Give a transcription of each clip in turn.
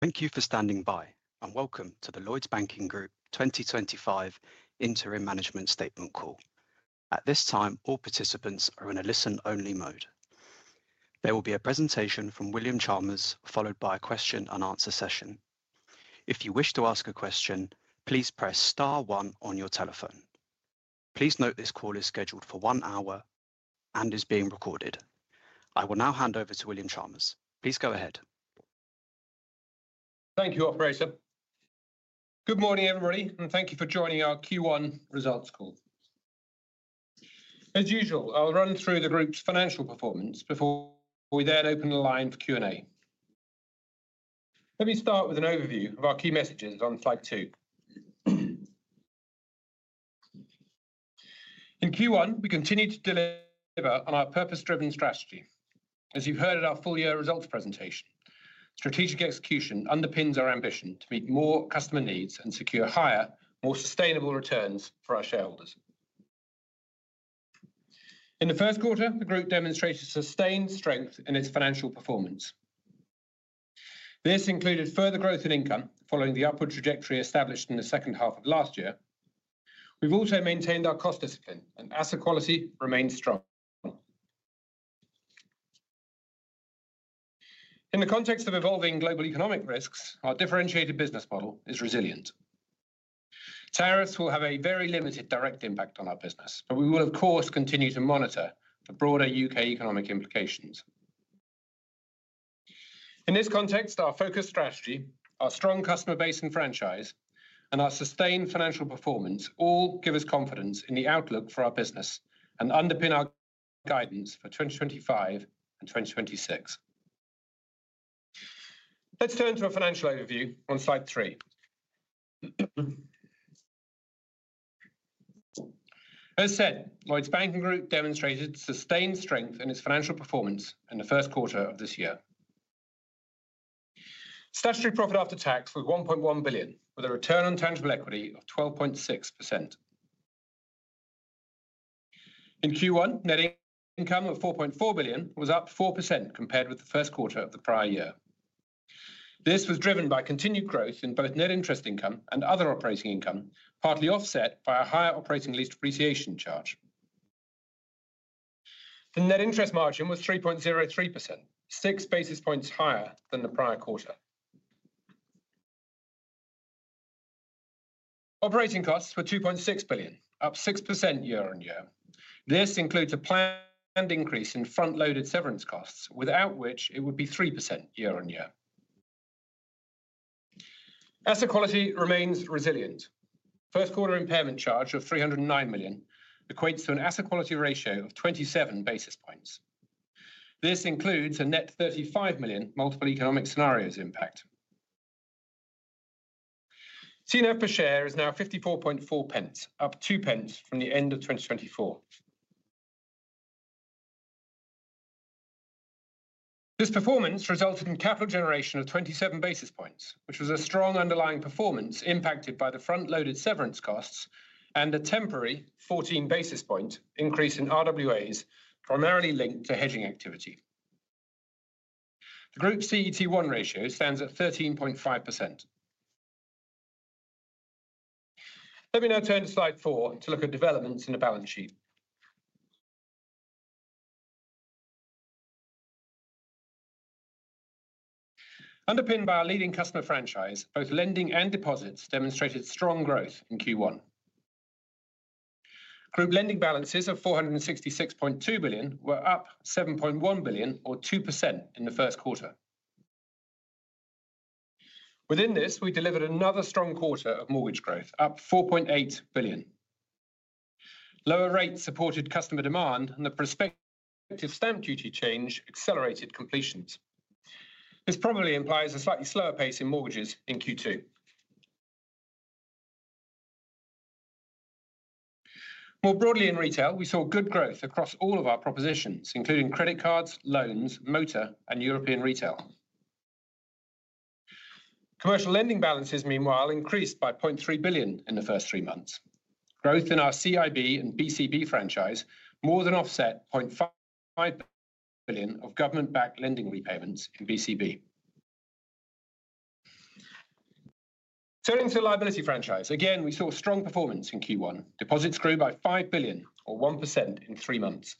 Thank you for standing by, and welcome to the Lloyds Banking Group 2025 interim management statement call. At this time, all participants are in a listen-only mode. There will be a presentation from William Chalmers, followed by a question-and-answer session. If you wish to ask a question, please press star one on your telephone. Please note this call is scheduled for one hour and is being recorded. I will now hand over to William Chalmers. Please go ahead. Thank you, Operator. Good morning, everybody, and thank you for joining our Q1 results call. As usual, I'll run through the group's financial performance before we then open the line for Q&A. Let me start with an overview of our key messages on slide two. In Q1, we continued to deliver on our purpose-driven strategy. As you've heard at our full-year results presentation, strategic execution underpins our ambition to meet more customer needs and secure higher, more sustainable returns for our shareholders. In the first quarter, the group demonstrated sustained strength in its financial performance. This included further growth in income following the upward trajectory established in the second half of last year. We've also maintained our cost discipline, and asset quality remained strong. In the context of evolving global economic risks, our differentiated business model is resilient. Tariffs will have a very limited direct impact on our business, but we will, of course, continue to monitor the broader U.K. economic implications. In this context, our focused strategy, our strong customer base and franchise, and our sustained financial performance all give us confidence in the outlook for our business and underpin our guidance for 2025 and 2026. Let's turn to a financial overview on slide three. As said, Lloyds Banking Group demonstrated sustained strength in its financial performance in the first quarter of this year. Statutory profit after tax was 1.1 billion, with a return on tangible equity of 12.6%. In Q1, net income of 4.4 billion was up 4% compared with the first quarter of the prior year. This was driven by continued growth in both net interest income and other operating income, partly offset by a higher operating lease depreciation charge. The net interest margin was 3.03%, 6 basis points higher than the prior quarter. Operating costs were 2.6 billion, up 6% year-on-year. This includes a planned increase in front-loaded severance costs, without which it would be 3% year-on-year. Asset quality remains resilient. First-quarter impairment charge of 309 million equates to an asset quality ratio of 27 basis points. This includes a net 35 million multiple economic scenarios impact. TNAV per share is now 54.4 pence, up 2 pence from the end of 2024. This performance resulted in capital generation of 27 basis points, which was a strong underlying performance impacted by the front-loaded severance costs and a temporary 14 basis point increase in RWAs primarily linked to hedging activity. The group's CET1 ratio stands at 13.5%. Let me now turn to slide four to look at developments in the balance sheet. Underpinned by our leading customer franchise, both lending and deposits demonstrated strong growth in Q1. Group lending balances of 466.2 billion were up 7.1 billion, or 2%, in the first quarter. Within this, we delivered another strong quarter of mortgage growth, up 4.8 billion. Lower rates supported customer demand, and the prospective stamp duty change accelerated completions. This probably implies a slightly slower pace in mortgages in Q2. More broadly, in retail, we saw good growth across all of our propositions, including credit cards, loans, motor, and European retail. Commercial lending balances, meanwhile, increased by 0.3 billion in the first three months. Growth in our CIB and BCB franchise more than offset 0.5 billion of government-backed lending repayments in BCB. Turning to the liability franchise, again, we saw strong performance in Q1. Deposits grew by 5 billion, or 1%, in three months.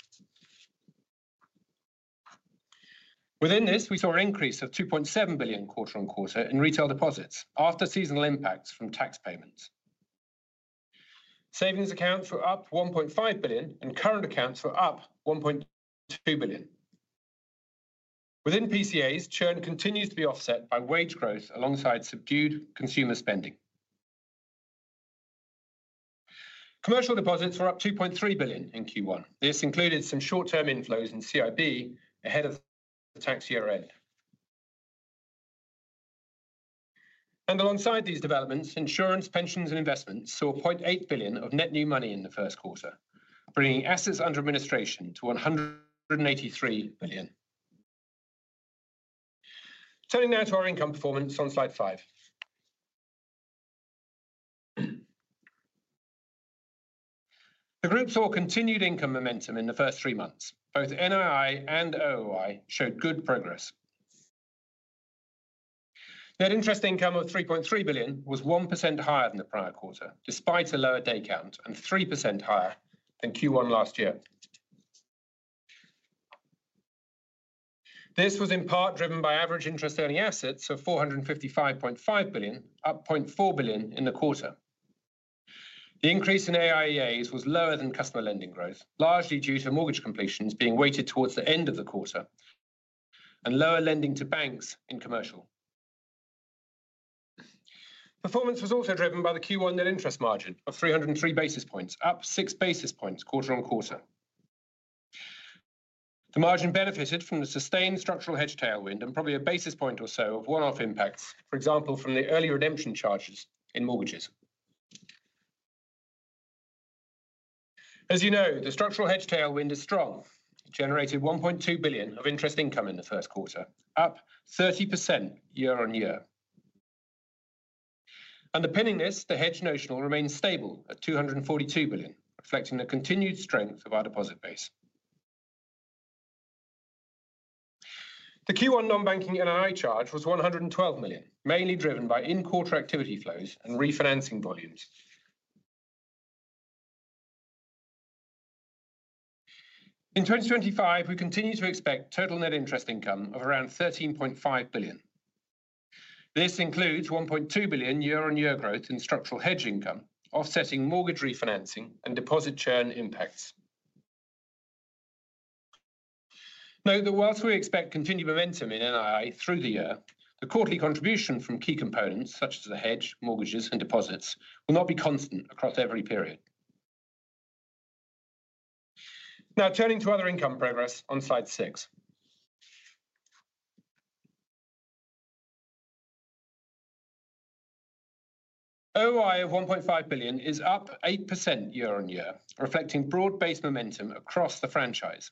Within this, we saw an increase of 2.7 billion quarter-on-quarter in retail deposits after seasonal impacts from tax payments. Savings accounts were up 1.5 billion, and current accounts were up 1.2 billion. Within PCAs, churn continues to be offset by wage growth alongside subdued consumer spending. Commercial deposits were up 2.3 billion in Q1. This included some short-term inflows in CIB ahead of tax year-end. Alongside these developments, insurance, pensions, and investments saw 0.8 billion of net new money in the first quarter, bringing assets under administration to 183 billion. Turning now to our income performance on slide five. The group saw continued income momentum in the first three months. Both NII and OOI showed good progress. Net interest income of 3.3 billion was 1% higher than the prior quarter, despite a lower day count and 3% higher than Q1 last year. This was in part driven by average interest-earning assets of 455.5 billion, up 0.4 billion in the quarter. The increase in AIEAs was lower than customer lending growth, largely due to mortgage completions being weighted towards the end of the quarter and lower lending to banks in commercial. Performance was also driven by the Q1 net interest margin of 303 basis points, up 6 basis points quarter-on-quarter. The margin benefited from the sustained structural hedge tailwind and probably a basis point or so of one-off impacts, for example, from the early redemption charges in mortgages. As you know, the structural hedge tailwind is strong. It generated 1.2 billion of interest income in the first quarter, up 30% year-on-year. Underpinning this, the hedge notional remained stable at 242 billion, reflecting the continued strength of our deposit base. The Q1 non-banking NII charge was 112 million, mainly driven by in-quarter activity flows and refinancing volumes. In 2025, we continue to expect total net interest income of around 13.5 billion. This includes 1.2 billion year-on-year growth in structural hedge income, offsetting mortgage refinancing and deposit churn impacts. Note that whilst we expect continued momentum in NII through the year, the quarterly contribution from key components such as the hedge, mortgages, and deposits will not be constant across every period. Now, turning to other income progress on slide six. OOI of 1.5 billion is up 8% year-on-year, reflecting broad-based momentum across the franchise.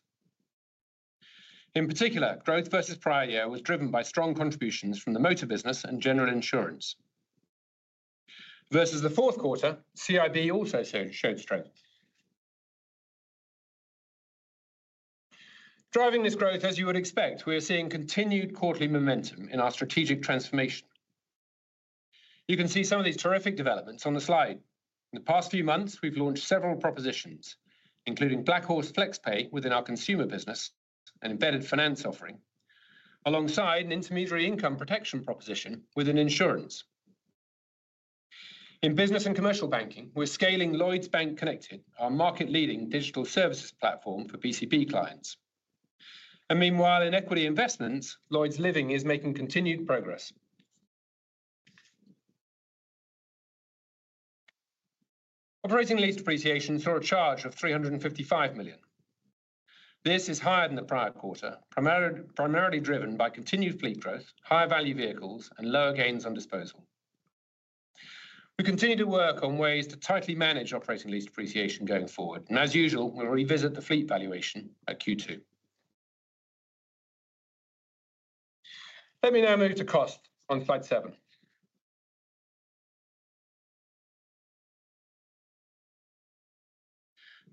In particular, growth versus prior year was driven by strong contributions from the motor business and general insurance. Versus the fourth quarter, CIB also showed strength. Driving this growth, as you would expect, we are seeing continued quarterly momentum in our strategic transformation. You can see some of these terrific developments on the slide. In the past few months, we've launched several propositions, including Black Horse FlexPay within our consumer business and embedded finance offering, alongside an intermediary income protection proposition within insurance. In business and commercial banking, we're scaling Lloyds Bank Connected, our market-leading digital services platform for BCB clients. Meanwhile, in equity investments, Lloyds Living is making continued progress. Operating lease depreciation saw a charge of 355 million. This is higher than the prior quarter, primarily driven by continued fleet growth, higher value vehicles, and lower gains on disposal. We continue to work on ways to tightly manage operating lease depreciation going forward, and as usual, we'll revisit the fleet valuation at Q2. Let me now move to costs on slide seven.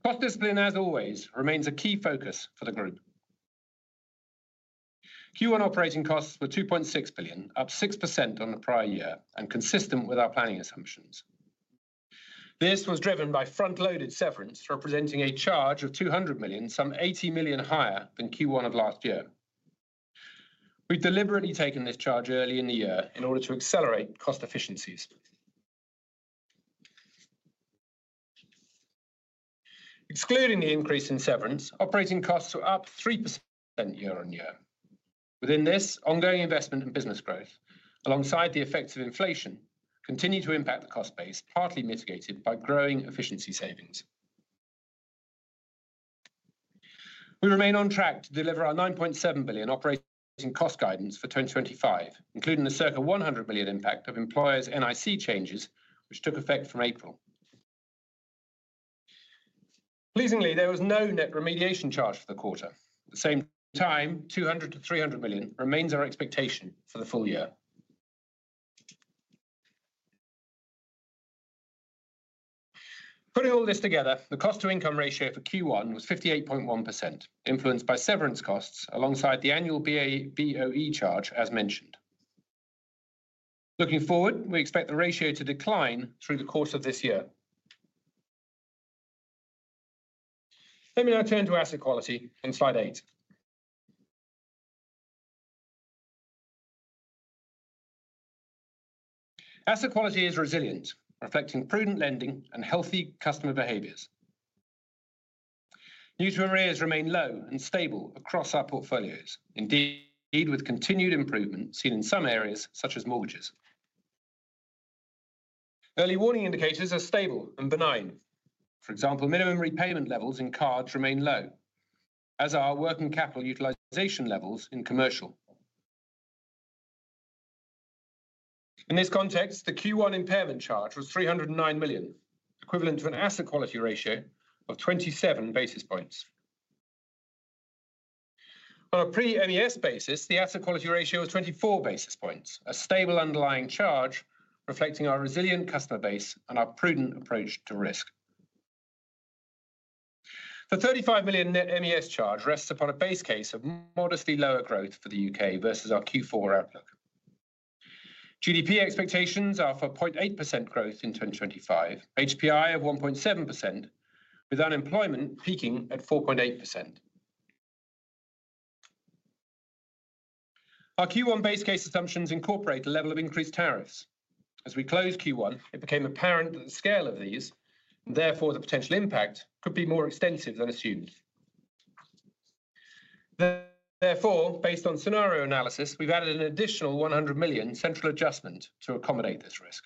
Cost discipline, as always, remains a key focus for the group. Q1 operating costs were 2.6 billion, up 6% on the prior year, and consistent with our planning assumptions. This was driven by front-loaded severance, representing a charge of 200 million, some 80 million higher than Q1 of last year. We have deliberately taken this charge early in the year in order to accelerate cost efficiencies. Excluding the increase in severance, operating costs were up 3% year-on-year. Within this, ongoing investment and business growth, alongside the effects of inflation, continue to impact the cost base, partly mitigated by growing efficiency savings. We remain on track to deliver our 9.7 billion operating cost guidance for 2025, including the circa 100 million impact of employers' NIC changes, which took effect from April. Pleasingly, there was no net remediation charge for the quarter. At the same time, 200 million-300 million remains our expectation for the full year. Putting all this together, the cost-to-income ratio for Q1 was 58.1%, influenced by severance costs alongside the annual BOE charge, as mentioned. Looking forward, we expect the ratio to decline through the course of this year. Let me now turn to asset quality in slide eight. Asset quality is resilient, reflecting prudent lending and healthy customer behaviors. Mutual arrears remain low and stable across our portfolios, indeed with continued improvement seen in some areas such as mortgages. Early warning indicators are stable and benign. For example, minimum repayment levels in cards remain low, as are working capital utilization levels in commercial. In this context, the Q1 impairment charge was 309 million, equivalent to an asset quality ratio of 27 basis points. On a pre-MES basis, the asset quality ratio was 24 basis points, a stable underlying charge reflecting our resilient customer base and our prudent approach to risk. The 35 million net MES charge rests upon a base case of modestly lower growth for the U.K. versus our Q4 outlook. GDP expectations are for 0.8% growth in 2025, HPI of 1.7%, with unemployment peaking at 4.8%. Our Q1 base case assumptions incorporate the level of increased tariffs. As we closed Q1, it became apparent that the scale of these, and therefore the potential impact, could be more extensive than assumed. Therefore, based on scenario analysis, we've added an additional 100 million central adjustment to accommodate this risk.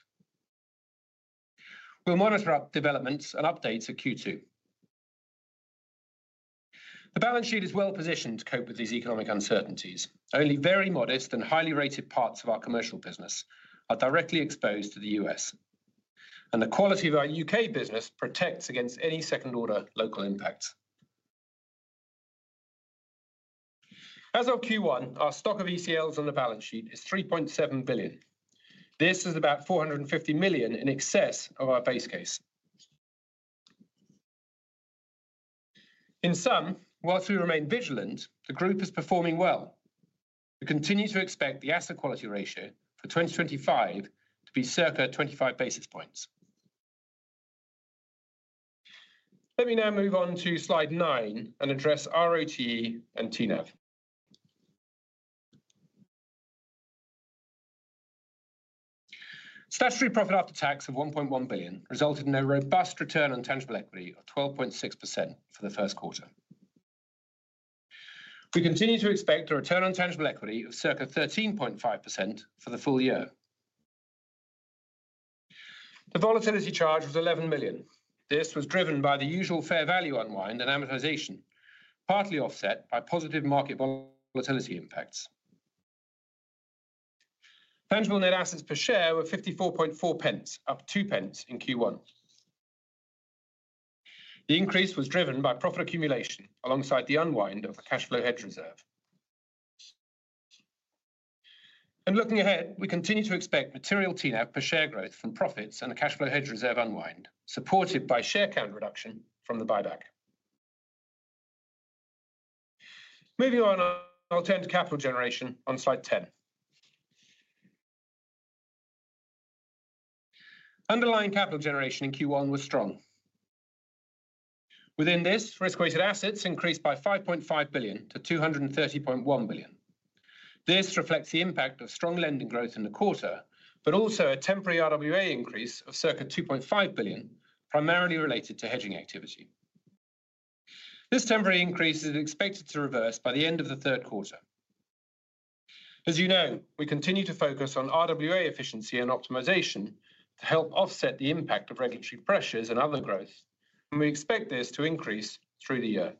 We'll monitor developments and updates at Q2. The balance sheet is well positioned to cope with these economic uncertainties. Only very modest and highly rated parts of our commercial business are directly exposed to the U.S., and the quality of our U.K. business protects against any second-order local impacts. As of Q1, our stock of ECLs on the balance sheet is 3.7 billion. This is about 450 million in excess of our base case. In sum, whilst we remain vigilant, the group is performing well. We continue to expect the asset quality ratio for 2025 to be circa 25 basis points. Let me now move on to slide nine and address ROTE and TNAV. Statutory profit after tax of 1.1 billion resulted in a robust return on tangible equity of 12.6% for the first quarter. We continue to expect a return on tangible equity of circa 13.5% for the full year. The volatility charge was 11 million. This was driven by the usual fair value unwind and amortization, partly offset by positive market volatility impacts. Tangible net assets per share were 54.4 pence, up 2 pence in Q1. The increase was driven by profit accumulation alongside the unwind of the cash flow hedge reserve. Looking ahead, we continue to expect material TNAV per share growth from profits and the cash flow hedge reserve unwind, supported by share count reduction from the buyback. Moving on, I'll turn to capital generation on slide 10. Underlying capital generation in Q1 was strong. Within this, risk-weighted assets increased by 5.5 billion to 230.1 billion. This reflects the impact of strong lending growth in the quarter, but also a temporary RWA increase of circa 2.5 billion, primarily related to hedging activity. This temporary increase is expected to reverse by the end of the third quarter. As you know, we continue to focus on RWA efficiency and optimisation to help offset the impact of regulatory pressures and other growth, and we expect this to increase through the year.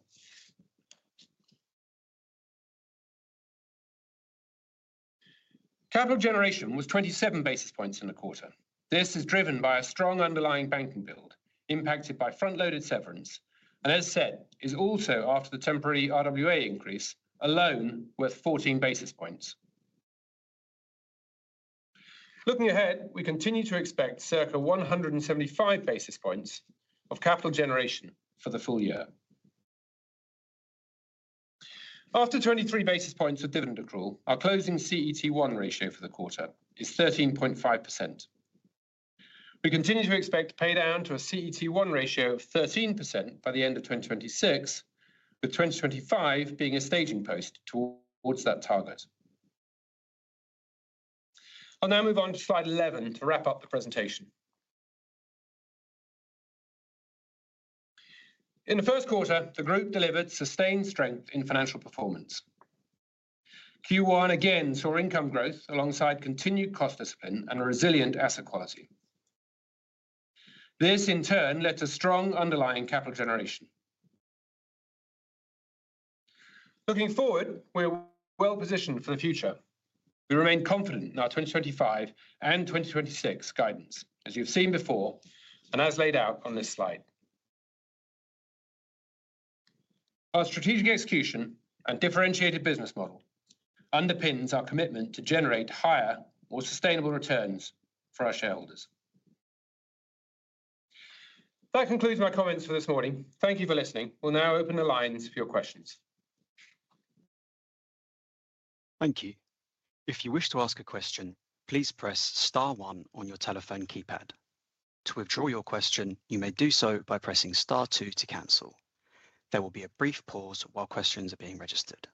Capital generation was 27 basis points in the quarter. This is driven by a strong underlying banking build impacted by front-loaded severance, and as said, is also after the temporary RWA increase alone worth 14 basis points. Looking ahead, we continue to expect circa 175 basis points of capital generation for the full year. After 23 basis points of dividend accrual, our closing CET1 ratio for the quarter is 13.5%. We continue to expect pay down to a CET1 ratio of 13% by the end of 2026, with 2025 being a staging post towards that target. I will now move on to slide 11 to wrap up the presentation. In the first quarter, the group delivered sustained strength in financial performance. Q1 again saw income growth alongside continued cost discipline and a resilient asset quality. This, in turn, led to strong underlying capital generation. Looking forward, we are well positioned for the future. We remain confident in our 2025 and 2026 guidance, as you've seen before and as laid out on this slide. Our strategic execution and differentiated business model underpins our commitment to generate higher, more sustainable returns for our shareholders. That concludes my comments for this morning. Thank you for listening. We'll now open the lines for your questions. Thank you. If you wish to ask a question, please press star one on your telephone keypad. To withdraw your question, you may do so by pressing star two to cancel. There will be a brief pause while questions are being registered.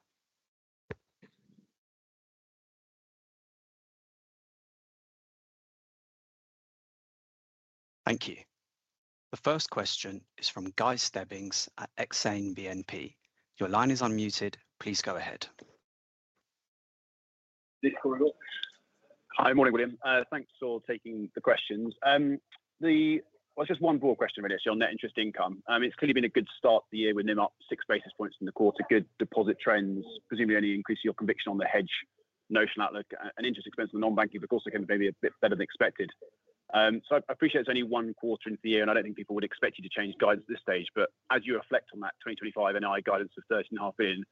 Thank you. The first question is from Guy Stebbings at Exane BNP. Your line is unmuted. Please go ahead. Hi, morning, William. Thanks for taking the questions. It's just one broad question, really, actually, on net interest income. It's clearly been a good start to the year with NIM up 6 basis points in the quarter, good deposit trends, presumably only increasing your conviction on the hedge notional outlook, and interest expense on the non-banking because it came maybe a bit better than expected. I appreciate it's only one quarter into the year, and I don't think people would expect you to change guidance at this stage. As you reflect on that 2025 NII guidance of 13.5 billion, are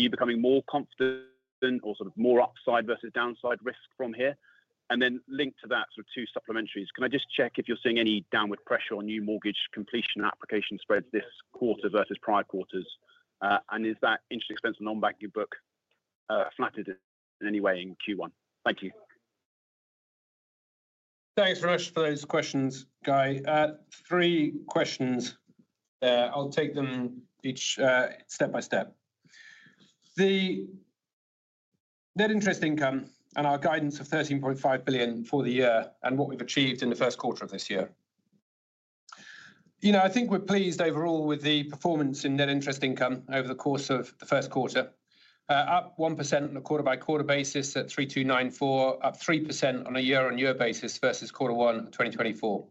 you becoming more confident or sort of more upside versus downside risk from here? Linked to that, sort of two supplementaries, can I just check if you're seeing any downward pressure on new mortgage completion application spreads this quarter versus prior quarters? Is that interest expense on the non-banking book flattered in any way in Q1? Thank you. Thanks for those questions, Guy. Three questions. I'll take them each step by step. The net interest income and our guidance of 13.5 billion for the year and what we've achieved in the first quarter of this year. You know, I think we're pleased overall with the performance in net interest income over the course of the first quarter, up 1% on a quarter-by-quarter basis at 3.294 billion, up 3% on a year-on-year basis versus quarter one of 2024.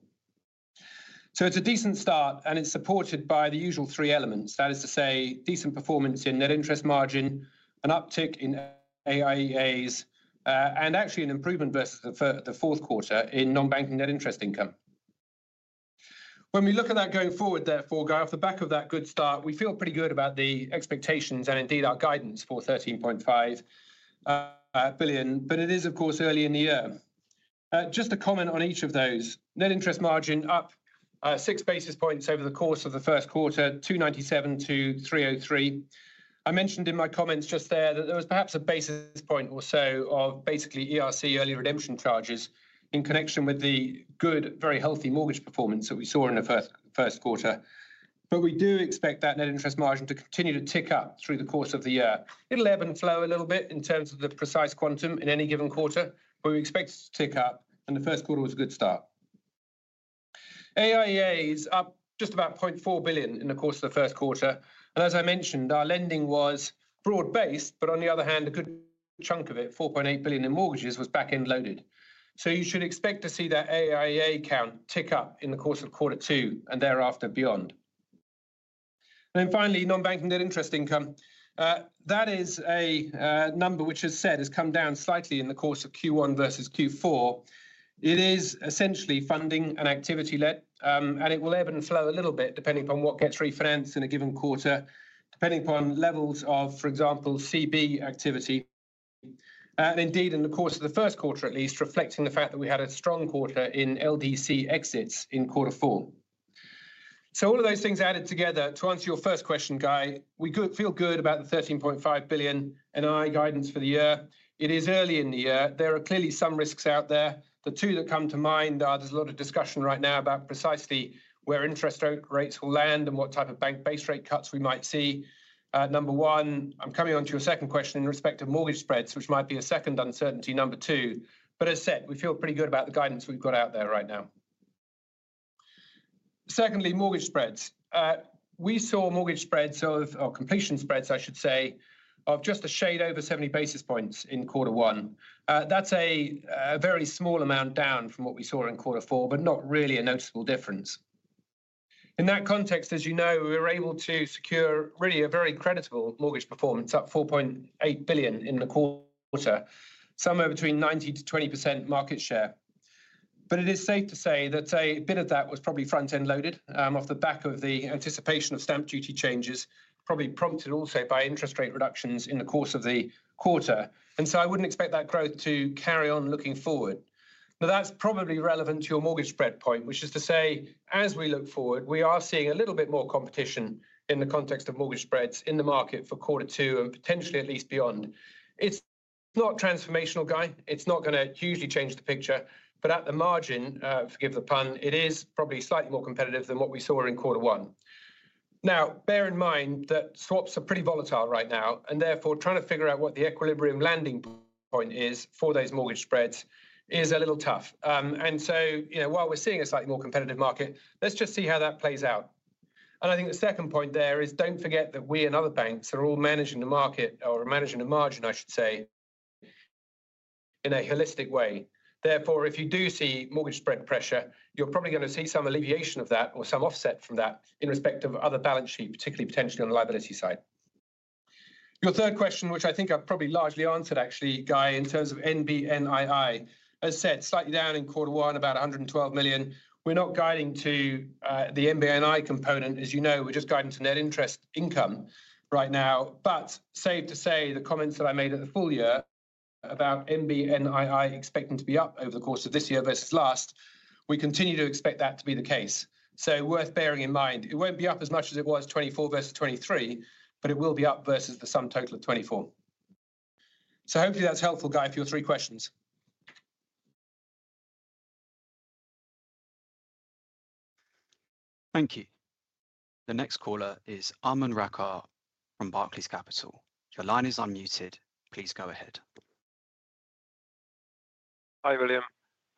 It's a decent start, and it's supported by the usual three elements. That is to say, decent performance in net interest margin, an uptick in AIEAs, and actually an improvement versus the fourth quarter in non-banking net interest income. When we look at that going forward, therefore, Guy, off the back of that good start, we feel pretty good about the expectations and indeed our guidance for 13.5 billion, but it is, of course, early in the year. Just a comment on each of those. Net interest margin up 6 basis points over the course of the first quarter, 297-303. I mentioned in my comments just there that there was perhaps a basis point or so of basically ERC early redemption charges in connection with the good, very healthy mortgage performance that we saw in the first quarter. We do expect that net interest margin to continue to tick up through the course of the year. It'll ebb and flow a little bit in terms of the precise quantum in any given quarter, but we expect it to tick up, and the first quarter was a good start. AIEA is up just about 0.4 billion in the course of the first quarter. As I mentioned, our lending was broad-based, but on the other hand, a good chunk of it, 4.8 billion in mortgages, was back-end loaded. You should expect to see that AIEA count tick up in the course of quarter two and thereafter beyond. Finally, non-banking net interest income. That is a number which, as said, has come down slightly in the course of Q1 versus Q4. It is essentially funding and activity-led, and it will ebb and flow a little bit depending upon what gets refinanced in a given quarter, depending upon levels of, for example, CB activity. Indeed, in the course of the first quarter, at least, reflecting the fact that we had a strong quarter in LDC exits in quarter four. All of those things added together, to answer your first question, Guy, we feel good about the 13.5 billion NII guidance for the year. It is early in the year. There are clearly some risks out there. The two that come to mind are, there is a lot of discussion right now about precisely where interest rates will land and what type of bank base rate cuts we might see. Number one, I am coming on to your second question in respect of mortgage spreads, which might be a second uncertainty. Number two, as said, we feel pretty good about the guidance we have got out there right now. Secondly, mortgage spreads. We saw mortgage spreads of, or completion spreads, I should say, of just a shade over 70 basis points in quarter one. That is a very small amount down from what we saw in quarter four, but not really a noticeable difference. In that context, as you know, we were able to secure really a very creditable mortgage performance up 4.8 billion in the quarter, somewhere between 9%-20% market share. It is safe to say that a bit of that was probably front-end loaded off the back of the anticipation of stamp duty changes, probably prompted also by interest rate reductions in the course of the quarter. I would not expect that growth to carry on looking forward. Now, that's probably relevant to your mortgage spread point, which is to say, as we look forward, we are seeing a little bit more competition in the context of mortgage spreads in the market for quarter two and potentially at least beyond. It's not transformational, Guy. It's not going to hugely change the picture, but at the margin, forgive the pun, it is probably slightly more competitive than what we saw in quarter one. Now, bear in mind that swaps are pretty volatile right now, and therefore trying to figure out what the equilibrium landing point is for those mortgage spreads is a little tough. You know, while we're seeing a slightly more competitive market, let's just see how that plays out. I think the second point there is do not forget that we and other banks are all managing the market or managing the margin, I should say, in a holistic way. Therefore, if you do see mortgage spread pressure, you are probably going to see some alleviation of that or some offset from that in respect of other balance sheet, particularly potentially on the liability side. Your third question, which I think I have probably largely answered actually, Guy, in terms of NBNII, as said, slightly down in quarter one, about 112 million. We are not guiding to the NBNII component, as you know. We are just guiding to net interest income right now. Safe to say the comments that I made at the full year about NBNII expecting to be up over the course of this year versus last, we continue to expect that to be the case. Worth bearing in mind, it will not be up as much as it was 2024 versus 2023, but it will be up versus the sum total of 2024. Hopefully that is helpful, Guy, for your three questions. Thank you. The next caller is Aman Rakkar from Barclays Capital. Your line is unmuted. Please go ahead.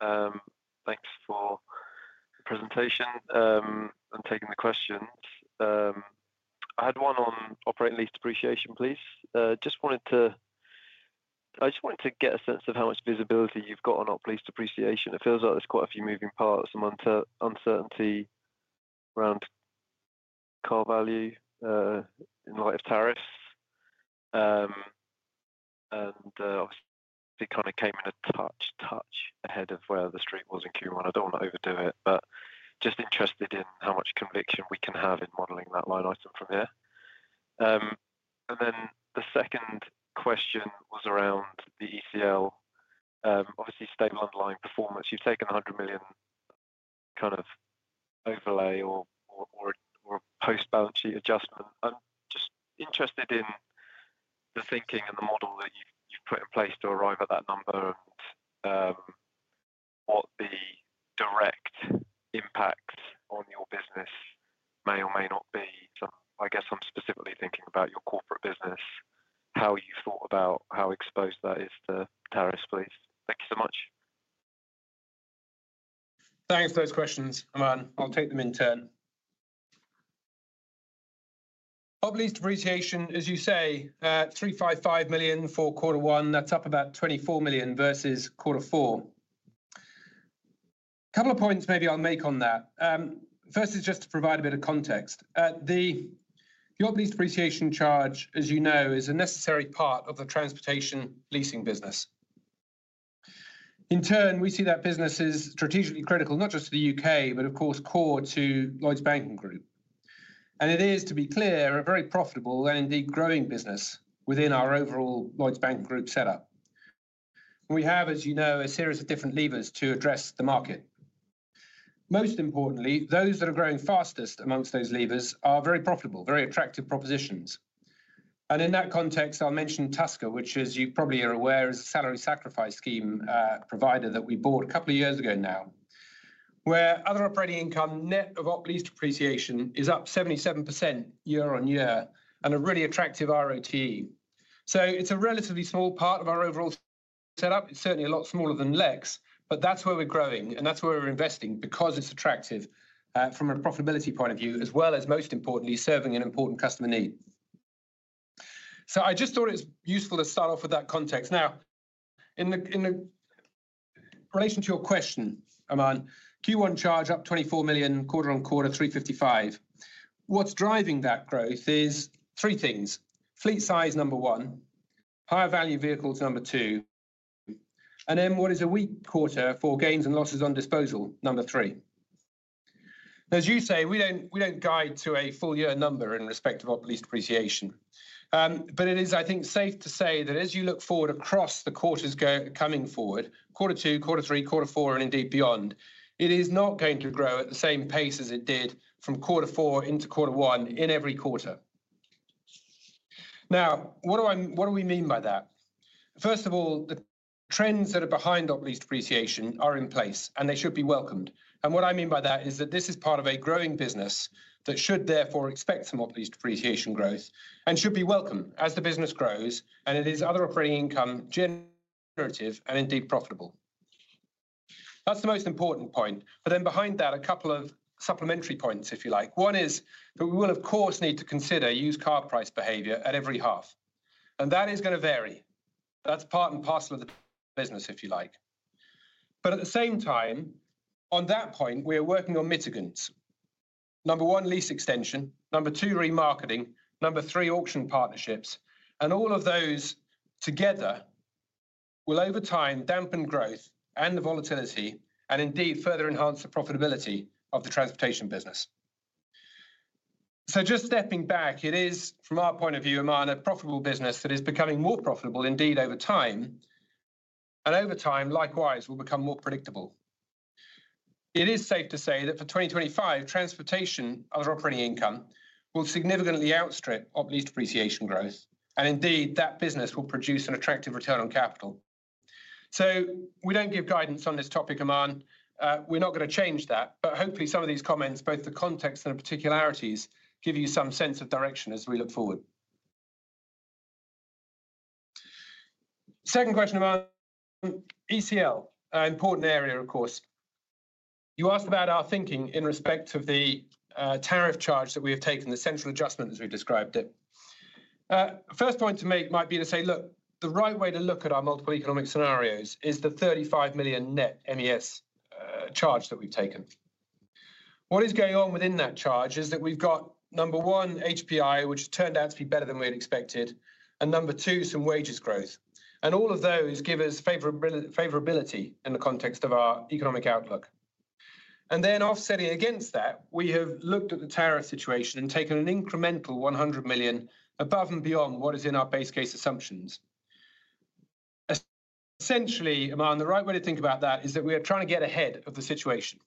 Hi, William. Thanks for the presentation and taking the questions. I had one on operating lease depreciation, please. I just wanted to get a sense of how much visibility you have on operating lease depreciation. It feels like there are quite a few moving parts and uncertainty around car value in light of tariffs. Obviously, it came in a touch ahead of where the street was in Q1. I do not want to overdo it, but just interested in how much conviction we can have in modeling that line item from here. The second question was around the ECL, obviously stable underlying performance. You have taken 100 million kind of overlay or post-balance sheet adjustment. I am just interested in the thinking and the model that you have put in place to arrive at that number and what the direct impact on your business may or may not be. I guess I am specifically thinking about your corporate business, how you thought about how exposed that is to tariffs, please. Thank you so much. Thanks for those questions, Aman. I will take them in turn. Probably depreciation, as you say, 355 million for quarter one. That is up about 24 million versus quarter four. A couple of points maybe I will make on that. First is just to provide a bit of context. The operating lease depreciation charge, as you know, is a necessary part of the transportation leasing business. In turn, we see that business is strategically critical, not just to the U.K., but of course core to Lloyds Banking Group. It is, to be clear, a very profitable and indeed growing business within our overall Lloyds Banking Group setup. We have, as you know, a series of different levers to address the market. Most importantly, those that are growing fastest amongst those levers are very profitable, very attractive propositions. In that context, I'll mention Tusker, which, as you probably are aware, is a salary sacrifice scheme provider that we bought a couple of years ago now, where other operating income net of operating lease depreciation is up 77% year-on-year and a really attractive ROT. It is a relatively small part of our overall setup. It's certainly a lot smaller than Lex, but that's where we're growing and that's where we're investing because it's attractive from a profitability point of view, as well as, most importantly, serving an important customer need. I just thought it was useful to start off with that context. Now, in relation to your question, Aman, Q1 charge up 24 quarter-on-quarter, 355 million. What's driving that growth is three things. Fleet size, number one, higher value vehicles, number two, and then what is a weak quarter for gains and losses on disposal, number three. As you say, we don't guide to a full year number in respect of operating lease depreciation. It is, I think, safe to say that as you look forward across the quarters coming forward, quarter two, quarter three, quarter four, and indeed beyond, it is not going to grow at the same pace as it did from quarter four into quarter one in every quarter. Now, what do we mean by that? First of all, the trends that are behind operating lease depreciation are in place, and they should be welcomed. What I mean by that is that this is part of a growing business that should therefore expect some operating lease depreciation growth and should be welcome as the business grows and it is other operating income generative and indeed profitable. That's the most important point. Behind that, a couple of supplementary points, if you like. One is that we will, of course, need to consider used car price behavior at every half. That is going to vary. That is part and parcel of the business, if you like. At the same time, on that point, we are working on mitigants. Number one, lease extension. Number two, remarketing. Number three, auction partnerships. All of those together will, over time, dampen growth and the volatility and indeed further enhance the profitability of the transportation business. Just stepping back, it is, from our point of view, Aman, a profitable business that is becoming more profitable indeed over time, and over time, likewise, will become more predictable. It is safe to say that for 2025, transportation under operating income will significantly outstrip operating lease depreciation growth, and indeed that business will produce an attractive return on capital. We do not give guidance on this topic, Aman. We're not going to change that, but hopefully some of these comments, both the context and the particularities, give you some sense of direction as we look forward. Second question, Aman. ECL, important area, of course. You asked about our thinking in respect of the tariff charge that we have taken, the central adjustment as we've described it. First point to make might be to say, look, the right way to look at our multiple economic scenarios is the 35 million net MES charge that we've taken. What is going on within that charge is that we've got, number one, HPI, which turned out to be better than we had expected, and number two, some wages growth. All of those give us favorability in the context of our economic outlook. Offsetting against that, we have looked at the tariff situation and taken an incremental 100 million above and beyond what is in our base case assumptions. Essentially, Aman, the right way to think about that is that we are trying to get ahead of the situation.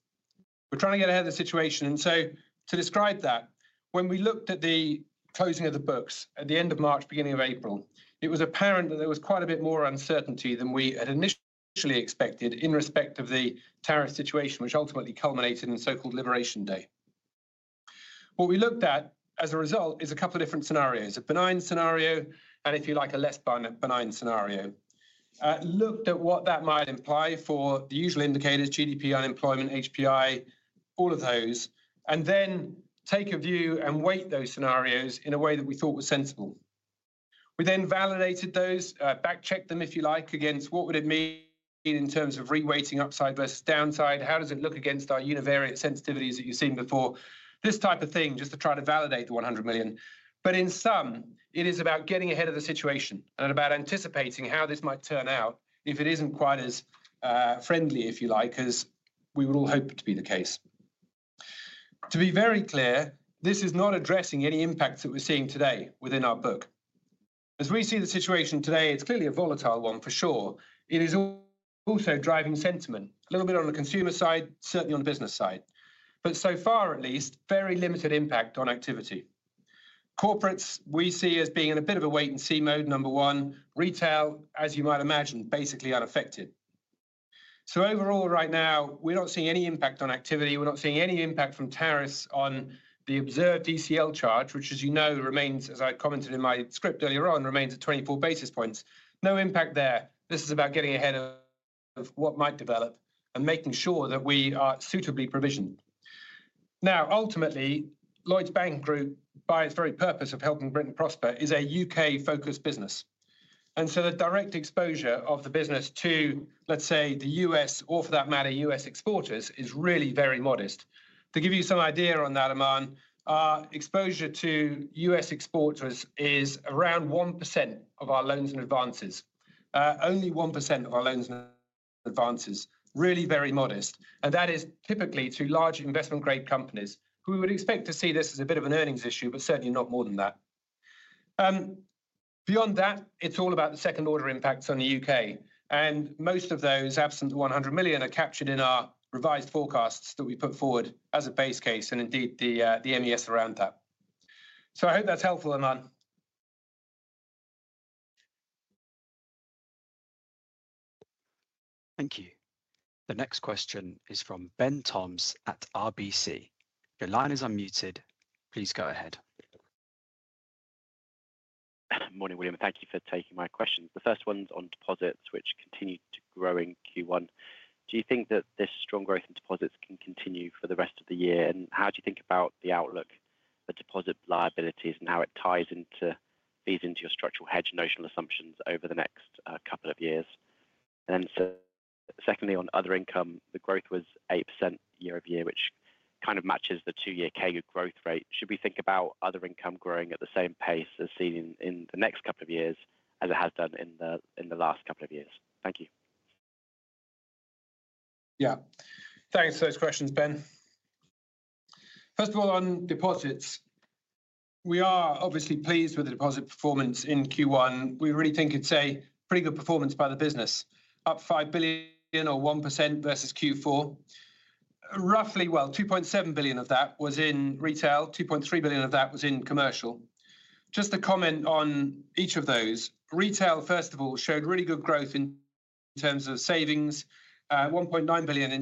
We're trying to get ahead of the situation. To describe that, when we looked at the closing of the books at the end of March, beginning of April, it was apparent that there was quite a bit more uncertainty than we had initially expected in respect of the tariff situation, which ultimately culminated in so-called liberation day. What we looked at as a result is a couple of different scenarios, a benign scenario and, if you like, a less benign scenario. Looked at what that might imply for the usual indicators, GDP, unemployment, HPI, all of those, and then take a view and weight those scenarios in a way that we thought was sensible. We then validated those, back-checked them, if you like, against what would it mean in terms of reweighting upside versus downside, how does it look against our univariate sensitivities that you've seen before, this type of thing, just to try to validate the 100 million. In sum, it is about getting ahead of the situation and about anticipating how this might turn out if it isn't quite as friendly, if you like, as we would all hope it to be the case. To be very clear, this is not addressing any impact that we're seeing today within our book. As we see the situation today, it's clearly a volatile one, for sure. It is also driving sentiment, a little bit on the consumer side, certainly on the business side, but so far, at least, very limited impact on activity. Corporates we see as being in a bit of a wait-and-see mode, number one. Retail, as you might imagine, basically unaffected. Overall, right now, we're not seeing any impact on activity. We're not seeing any impact from tariffs on the observed ECL charge, which, as you know, remains, as I commented in my script earlier on, remains at 24 basis points. No impact there. This is about getting ahead of what might develop and making sure that we are suitably provisioned. Ultimately, Lloyds Banking Group, by its very purpose of helping Britain prosper, is a U.K.-focused business. The direct exposure of the business to, let's say, the U.S., or for that matter, U.S. exporters, is really very modest. To give you some idea on that, Amman, our exposure to U.S. exporters is around 1% of our loans and advances. Only 1% of our loans and advances. Really very modest. That is typically to large investment-grade companies. We would expect to see this as a bit of an earnings issue, but certainly not more than that. Beyond that, it is all about the second-order impacts on the U.K. Most of those, absent the 100 million, are captured in our revised forecasts that we put forward as a base case and indeed the MES around that. I hope that is helpful, Aman. Thank you. The next question is from Ben Toms at RBC. Your line is unmuted. Please go ahead. Morning, William. Thank you for taking my questions. The first one is on deposits, which continue to grow in Q1. Do you think that this strong growth in deposits can continue for the rest of the year? How do you think about the outlook for deposit liabilities and how it ties into, feeds into your structural hedge notional assumptions over the next couple of years? Secondly, on other income, the growth was 8% year-over-year, which kind of matches the two-year CAGR growth rate. Should we think about other income growing at the same pace as seen in the next couple of years as it has done in the last couple of years? Thank you. Yeah. Thanks for those questions, Ben. First of all, on deposits, we are obviously pleased with the deposit performance in Q1. We really think it's a pretty good performance by the business, up 5 billion or 1% versus Q4. Roughly, 2.7 billion of that was in retail, 2.3 billion of that was in commercial. Just to comment on each of those, retail, first of all, showed really good growth in terms of savings, 1.9 billion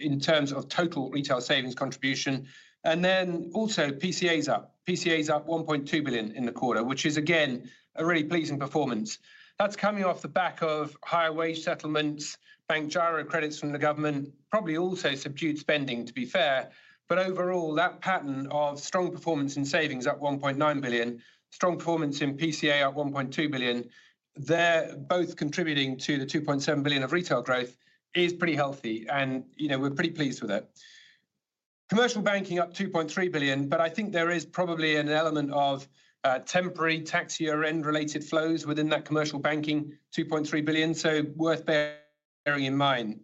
in terms of total retail savings contribution. Also, PCAs up. PCAs up 1.2 billion in the quarter, which is, again, a really pleasing performance. That is coming off the back of higher wage settlements, Bank Jira credits from the government, probably also subdued spending, to be fair. Overall, that pattern of strong performance in savings up 1.9 billion, strong performance in PCA up 1.2 billion, they are both contributing to the 2.7 billion of retail growth, is pretty healthy. We are pretty pleased with it. Commercial banking up 2.3 billion, but I think there is probably an element of temporary tax year-end related flows within that commercial banking, 2.3 billion, so worth bearing in mind.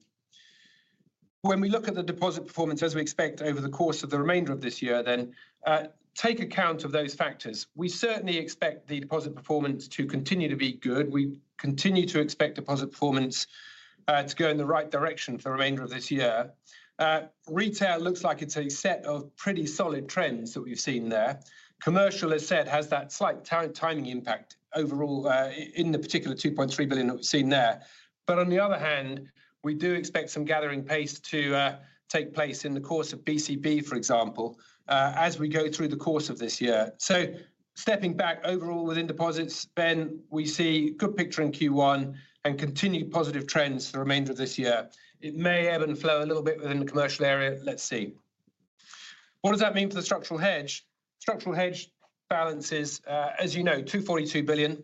When we look at the deposit performance, as we expect over the course of the remainder of this year, then take account of those factors. We certainly expect the deposit performance to continue to be good. We continue to expect deposit performance to go in the right direction for the remainder of this year. Retail looks like it's a set of pretty solid trends that we've seen there. Commercial, as said, has that slight timing impact overall in the particular 2.3 billion that we've seen there. On the other hand, we do expect some gathering pace to take place in the course of BCB, for example, as we go through the course of this year. Stepping back overall within deposits, Ben, we see a good picture in Q1 and continued positive trends for the remainder of this year. It may ebb and flow a little bit within the commercial area. Let's see. What does that mean for the structural hedge? Structural hedge balances, as you know, 242 billion.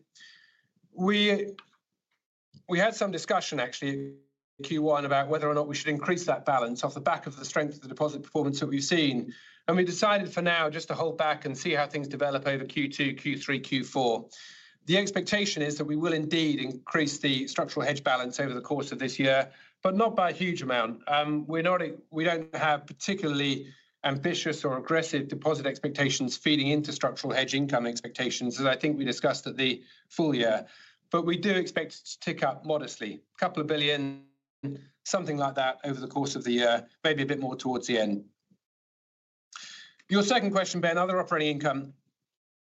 We had some discussion, actually, in Q1 about whether or not we should increase that balance off the back of the strength of the deposit performance that we've seen. We decided for now just to hold back and see how things develop over Q2, Q3, Q4. The expectation is that we will indeed increase the structural hedge balance over the course of this year, but not by a huge amount. We do not have particularly ambitious or aggressive deposit expectations feeding into structural hedge income expectations, as I think we discussed at the full year. We do expect it to tick up modestly, a couple of billion, something like that over the course of the year, maybe a bit more towards the end. Your second question, Ben, other operating income.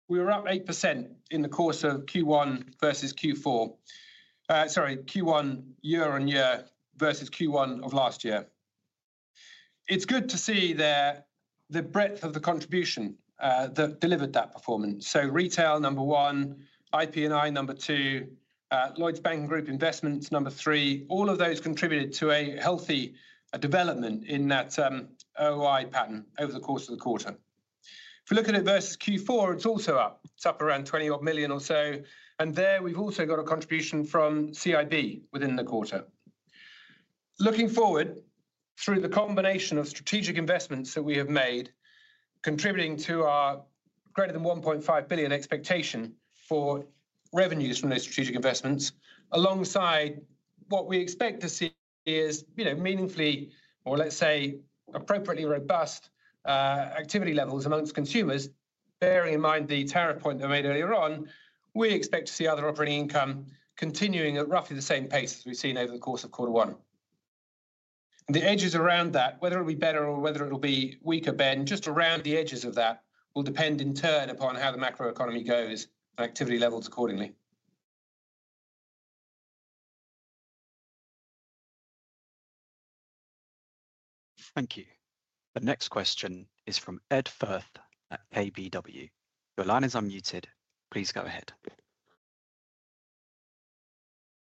We were up 8% in the course of Q1 versus Q4, sorry, Q1 year-on-year versus Q1 of last year. It's good to see the breadth of the contribution that delivered that performance. Retail, number one, IP&I, number two, Lloyds Banking Group Investments, number three, all of those contributed to a healthy development in that OI pattern over the course of the quarter. If you look at it versus Q4, it's also up. It's up around 20-odd million or so. There we've also got a contribution from CIB within the quarter. Looking forward, through the combination of strategic investments that we have made, contributing to our greater than 1.5 billion expectation for revenues from those strategic investments, alongside what we expect to see is meaningfully, or let's say appropriately robust activity levels amongst consumers, bearing in mind the tariff point that we made earlier on, we expect to see other operating income continuing at roughly the same pace as we've seen over the course of quarter one. The edges around that, whether it'll be better or whether it'll be weaker, Ben, just around the edges of that will depend in turn upon how the macroeconomy goes and activity levels accordingly. Thank you. The next question is from Ed Firth at KBW. Your line is unmuted. Please go ahead.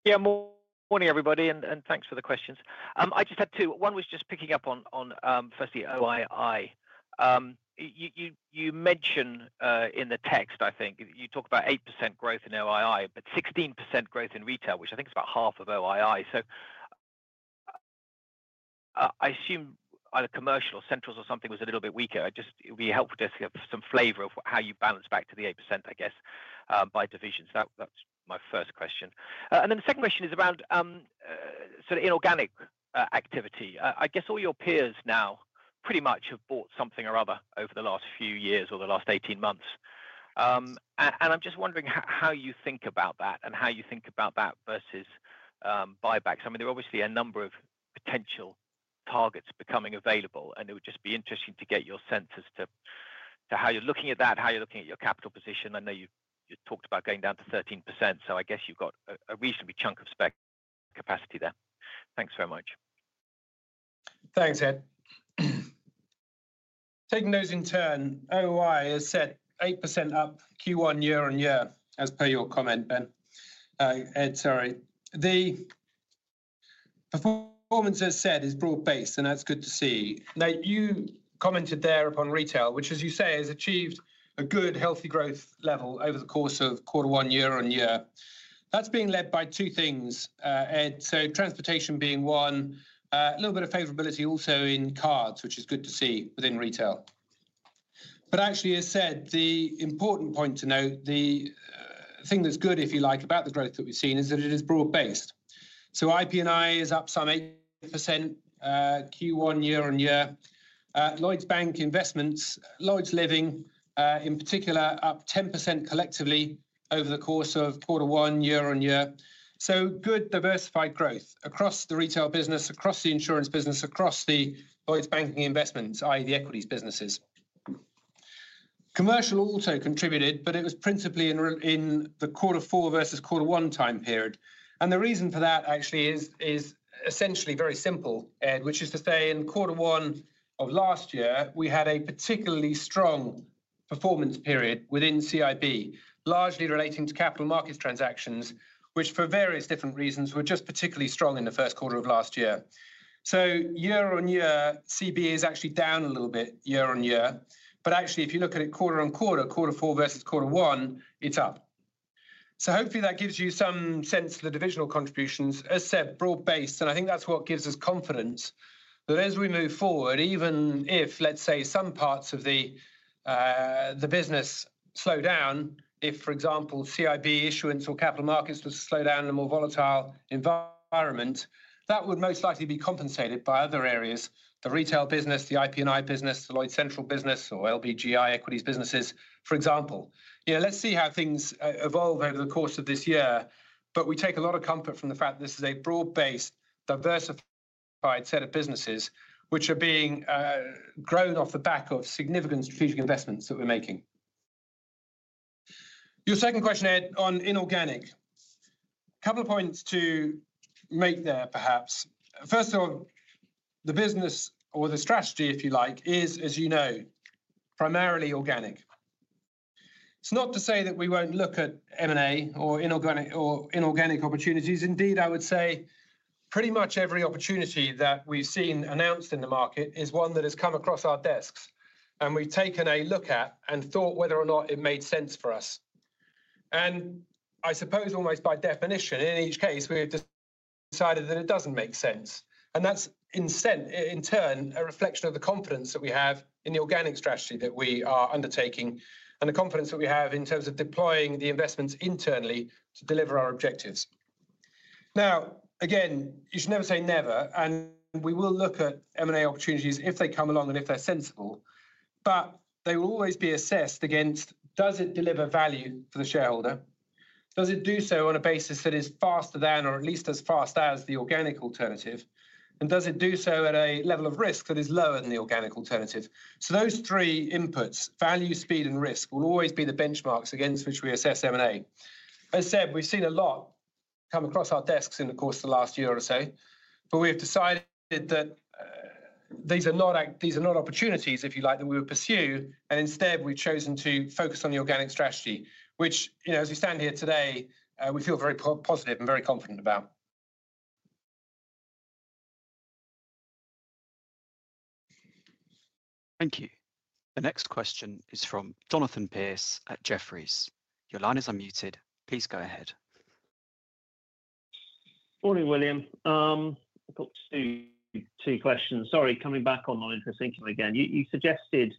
Yeah, morning, everybody, and thanks for the questions. I just had two. One was just picking up on, firstly, OOI. You mentioned in the text, I think, you talked about 8% growth in OOI, but 16% growth in retail, which I think is about half of OOI. I assume either commercial or centrals or something was a little bit weaker. It would be helpful to have some flavor of how you balance back to the 8%, I guess, by division. That is my first question. The second question is around sort of inorganic activity. I guess all your peers now pretty much have bought something or other over the last few years or the last 18 months. I am just wondering how you think about that and how you think about that versus buybacks. I mean, there are obviously a number of potential targets becoming available, and it would just be interesting to get your sense as to how you're looking at that, how you're looking at your capital position. I know you talked about going down to 13%, so I guess you've got a reasonably chunk of spec capacity there. Thanks very much. Thanks, Ed. Taking those in turn, OOI has set 8% up Q1 year-on-year, as per your comment, Ben. Ed, sorry. The performance, as said, is broad-based, and that's good to see. Now, you commented there upon retail, which, as you say, has achieved a good, healthy growth level over the course of quarter one, year-on-year. That's being led by two things, Ed. Transportation being one, a little bit of favorability also in cards, which is good to see within retail. Actually, as said, the important point to note, the thing that's good, if you like, about the growth that we've seen is that it is broad-based. IP&I is up some 8% Q1 year-on-year. Lloyds Bank Investments, Lloyds Living, in particular, up 10% collectively over the course of quarter one, year-on-year. Good diversified growth across the retail business, across the insurance business, across the Lloyds Banking Investments, i.e., the equities businesses. Commercial also contributed, but it was principally in the quarter four versus quarter one time period. The reason for that, actually, is essentially very simple, Ed, which is to say in quarter one of last year, we had a particularly strong performance period within CIB, largely relating to capital markets transactions, which for various different reasons were just particularly strong in the first quarter of last year. Year-on-year, CB is actually down a little bit year-on-year. Actually, if you look at it quarter-on-quarter, quarter four versus quarter one, it's up. Hopefully that gives you some sense of the divisional contributions. As said, broad-based, and I think that's what gives us confidence that as we move forward, even if, let's say, some parts of the business slow down, if, for example, CIB issuance or capital markets were to slow down in a more volatile environment, that would most likely be compensated by other areas, the retail business, the IP&I business, the Lloyds Central business, or LBGI equities businesses, for example. Let's see how things evolve over the course of this year, but we take a lot of comfort from the fact that this is a broad-based, diversified set of businesses, which are being grown off the back of significant strategic investments that we're making. Your second question, Ed, on inorganic. A couple of points to make there, perhaps. First of all, the business or the strategy, if you like, is, as you know, primarily organic. It's not to say that we won't look at M&A or inorganic opportunities. Indeed, I would say pretty much every opportunity that we've seen announced in the market is one that has come across our desks, and we've taken a look at and thought whether or not it made sense for us. I suppose almost by definition, in each case, we have decided that it doesn't make sense. That is, in turn, a reflection of the confidence that we have in the organic strategy that we are undertaking and the confidence that we have in terms of deploying the investments internally to deliver our objectives. Again, you should never say never, and we will look at M&A opportunities if they come along and if they are sensible. They will always be assessed against, does it deliver value for the shareholder? Does it do so on a basis that is faster than or at least as fast as the organic alternative? Does it do so at a level of risk that is lower than the organic alternative? Those three inputs, value, speed, and risk, will always be the benchmarks against which we assess M&A. As said, we've seen a lot come across our desks in the course of the last year or so, but we have decided that these are not opportunities, if you like, that we would pursue, and instead, we've chosen to focus on the organic strategy, which, as we stand here today, we feel very positive and very confident about. Thank you. The next question is from Jonathan Pierce at Jefferies. Your line is unmuted. Please go ahead. Morning, William. I've got two questions. Sorry, coming back on non-interest income again. You suggested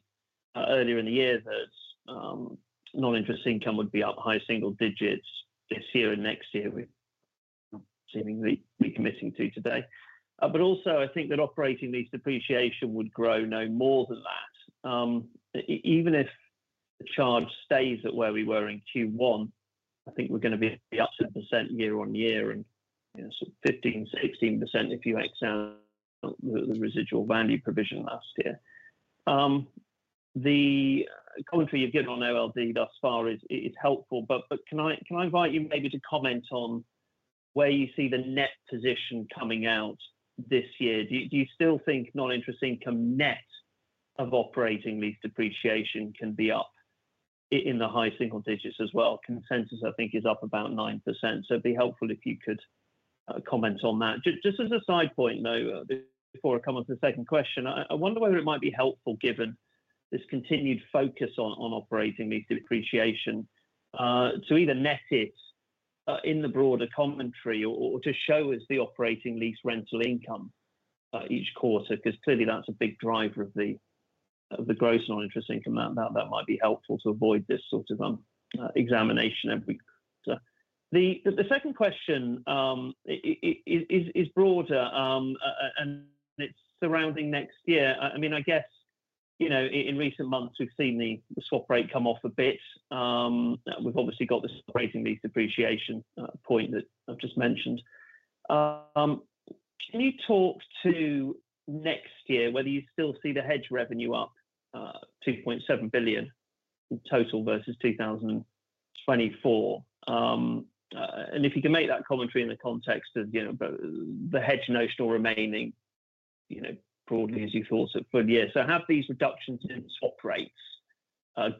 earlier in the year that non-interest income would be up high single digits this year and next year, seemingly committing to today. Also, I think that operating lease depreciation would grow no more than that. Even if the charge stays at where we were in Q1, I think we're going to be up 10% year-on-year and sort of 15%-16% if you exclude the residual value provision last year. The commentary you've given on OLD thus far is helpful, but can I invite you maybe to comment on where you see the net position coming out this year? Do you still think non-interest income net of operating lease depreciation can be up in the high single digits as well? Consensus, I think, is up about 9%. It would be helpful if you could comment on that. Just as a side point, though, before I come on to the second question, I wonder whether it might be helpful, given this continued focus on operating lease depreciation, to either net it in the broader commentary or to show us the operating lease rental income each quarter, because clearly that's a big driver of the gross non-interest income. That might be helpful to avoid this sort of examination every quarter. The second question is broader, and it's surrounding next year. I mean, I guess in recent months, we've seen the swap rate come off a bit. We've obviously got this operating lease depreciation point that I've just mentioned. Can you talk to next year, whether you still see the hedge revenue up 2.7 billion in total versus 2024? And if you can make that commentary in the context of the hedge notional remaining broadly as you thought it would. Have these reductions in swap rates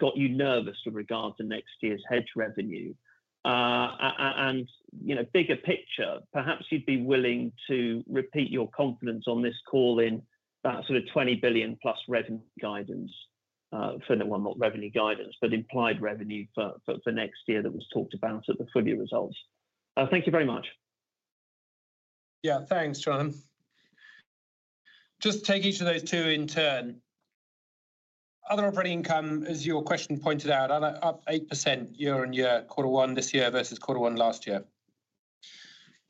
got you nervous with regard to next year's hedge revenue? Bigger picture, perhaps you would be willing to repeat your confidence on this call in that sort of 20 billion plus revenue guidance, not revenue guidance, but implied revenue for next year that was talked about at the full year results. Thank you very much. Yeah, thanks, Jon. Just take each of those two in turn. Other operating income, as your question pointed out, up 8% year-on-year quarter one this year versus quarter one last year.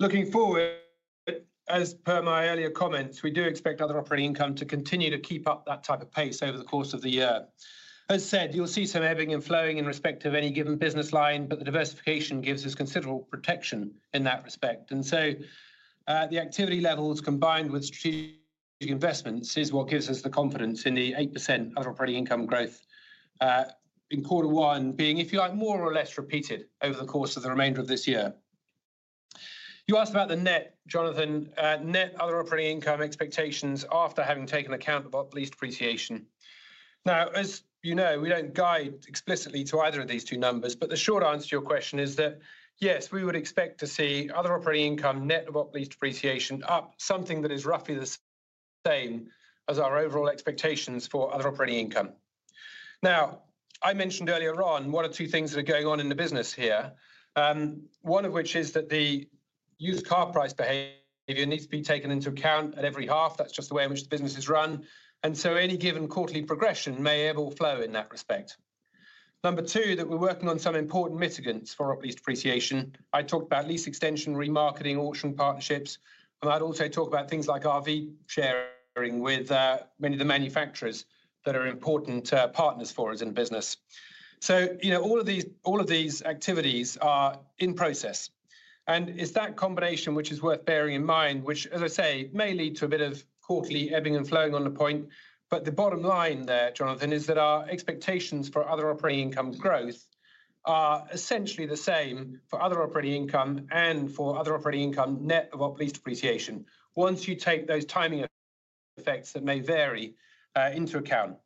Looking forward, as per my earlier comments, we do expect other operating income to continue to keep up that type of pace over the course of the year. As said, you'll see some ebbing and flowing in respect of any given business line, but the diversification gives us considerable protection in that respect. The activity levels combined with strategic investments is what gives us the confidence in the 8% other operating income growth in quarter one being, if you like, more or less repeated over the course of the remainder of this year. You asked about the net, Jonathan, net other operating income expectations after having taken account of lease depreciation. Now, as you know, we don't guide explicitly to either of these two numbers, but the short answer to your question is that, yes, we would expect to see other operating income net of operating depreciation up something that is roughly the same as our overall expectations for other operating income. Now, I mentioned earlier on, what are two things that are going on in the business here, one of which is that the used car price behavior needs to be taken into account at every half. That's just the way in which the business is run. Any given quarterly progression may ebb or flow in that respect. Number two, that we're working on some important mitigants for lease depreciation. I talked about lease extension, remarketing, auction partnerships, and I'd also talk about things like RV sharing with many of the manufacturers that are important partners for us in business. All of these activities are in process. It's that combination which is worth bearing in mind, which, as I say, may lead to a bit of quarterly ebbing and flowing on the point. The bottom line there, Jonathan, is that our expectations for other operating income growth are essentially the same for other operating income and for other operating income net of operating depreciation, once you take those timing effects that may vary into account.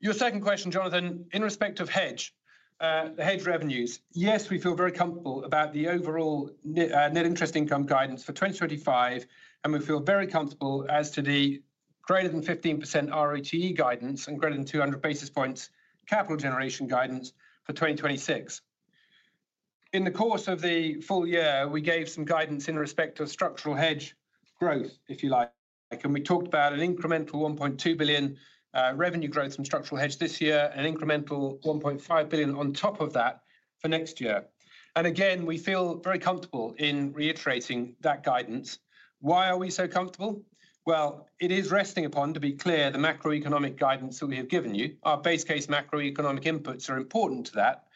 Your second question, Jonathan, in respect of hedge, the hedge revenues, yes, we feel very comfortable about the overall net interest income guidance for 2025, and we feel very comfortable as to the greater than 15% ROTE guidance and greater than 200 basis points capital generation guidance for 2026. In the course of the full year, we gave some guidance in respect of structural hedge growth, if you like, and we talked about an incremental 1.2 billion revenue growth from structural hedge this year, an incremental 1.5 billion on top of that for next year. Again, we feel very comfortable in reiterating that guidance. Why are we so comfortable? It is resting upon, to be clear, the macroeconomic guidance that we have given you. Our base case macroeconomic inputs are important to that,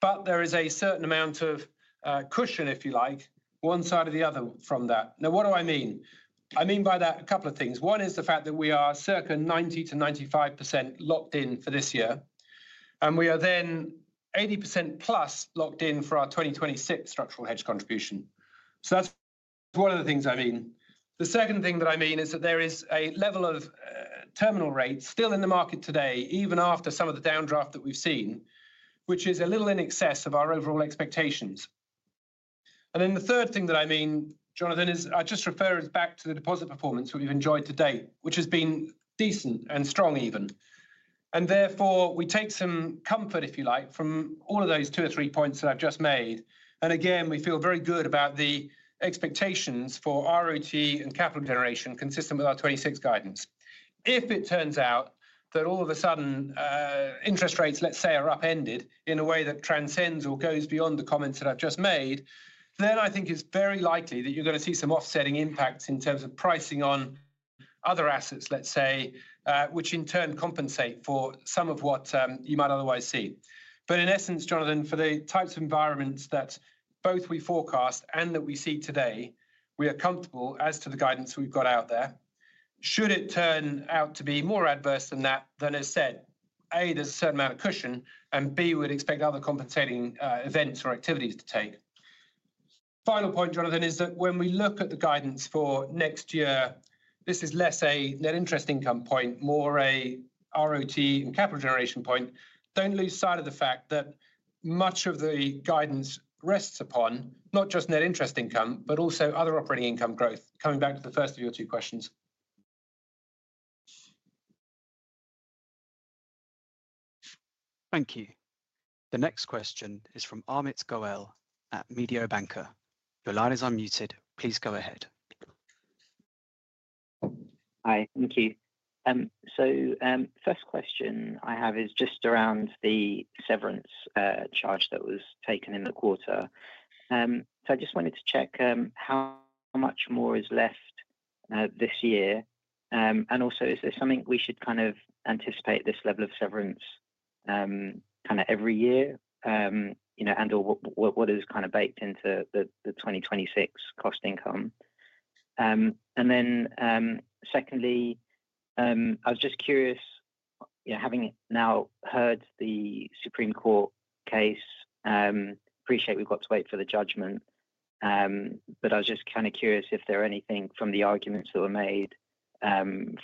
but there is a certain amount of cushion, if you like, one side or the other from that. Now, what do I mean? I mean by that a couple of things. One is the fact that we are circa 90-95% locked in for this year, and we are then 80% plus locked in for our 2026 structural hedge contribution. That is one of the things I mean. The second thing that I mean is that there is a level of terminal rates still in the market today, even after some of the downdraft that we have seen, which is a little in excess of our overall expectations. The third thing that I mean, Jonathan, is I just refer us back to the deposit performance that we've enjoyed to date, which has been decent and strong even. Therefore, we take some comfort, if you like, from all of those two or three points that I've just made. Again, we feel very good about the expectations for ROTE and capital generation consistent with our 2026 guidance. If it turns out that all of a sudden interest rates, let's say, are upended in a way that transcends or goes beyond the comments that I've just made, I think it's very likely that you're going to see some offsetting impacts in terms of pricing on other assets, let's say, which in turn compensate for some of what you might otherwise see. In essence, Jonathan, for the types of environments that both we forecast and that we see today, we are comfortable as to the guidance we've got out there. Should it turn out to be more adverse than that, then as said, A, there's a certain amount of cushion, and B, we'd expect other compensating events or activities to take. Final point, Jonathan, is that when we look at the guidance for next year, this is less a net interest income point, more a ROTE and capital generation point. Don't lose sight of the fact that much of the guidance rests upon not just net interest income, but also other operating income growth. Coming back to the first of your two questions. Thank you. The next question is from Amit Goel at Mediobanca. Your line is unmuted. Please go ahead. Hi, thank you. First question I have is just around the severance charge that was taken in the quarter. I just wanted to check how much more is left this year. Also, is there something we should kind of anticipate this level of severance kind of every year and/or what is kind of baked into the 2026 cost income? Secondly, I was just curious, having now heard the Supreme Court case, appreciate we have to wait for the judgment, but I was just kind of curious if there are anything from the arguments that were made from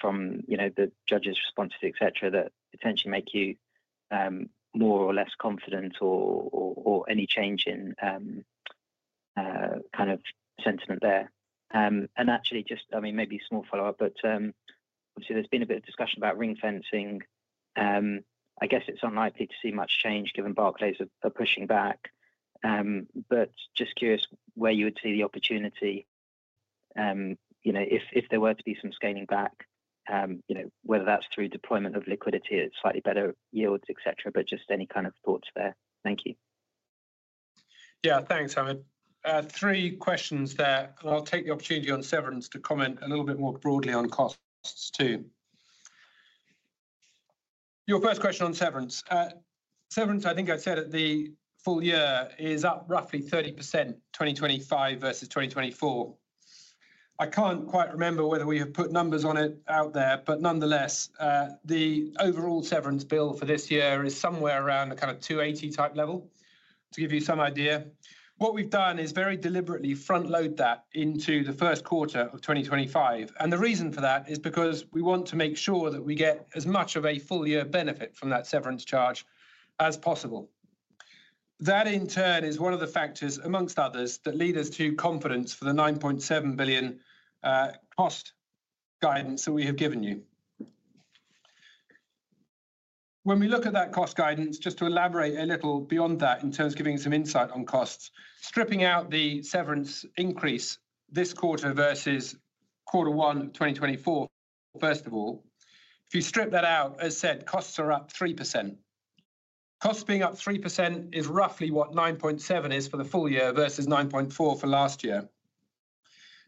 the judge's responses, etc., that potentially make you more or less confident or any change in kind of sentiment there. Actually, I mean, maybe a small follow-up, but obviously, there has been a bit of discussion about ring fencing. I guess it's unlikely to see much change given Barclays are pushing back, but just curious where you would see the opportunity if there were to be some scaling back, whether that's through deployment of liquidity at slightly better yields, etc., but just any kind of thoughts there. Thank you. Yeah, thanks, Amit. Three questions there. I'll take the opportunity on severance to comment a little bit more broadly on costs too. Your first question on severance. Severance, I think I said at the full year, is up roughly 30%, 2025 versus 2024. I can't quite remember whether we have put numbers on it out there, but nonetheless, the overall severance bill for this year is somewhere around a kind of 280 million type level, to give you some idea. What we've done is very deliberately front-load that into the first quarter of 2025. The reason for that is because we want to make sure that we get as much of a full year benefit from that severance charge as possible. That, in turn, is one of the factors, amongst others, that lead us to confidence for the 9.7 billion cost guidance that we have given you. When we look at that cost guidance, just to elaborate a little beyond that in terms of giving some insight on costs, stripping out the severance increase this quarter versus quarter one of 2024, first of all, if you strip that out, as said, costs are up 3%. Costs being up 3% is roughly what 9.7 billion is for the full year versus 9.4 billion for last year.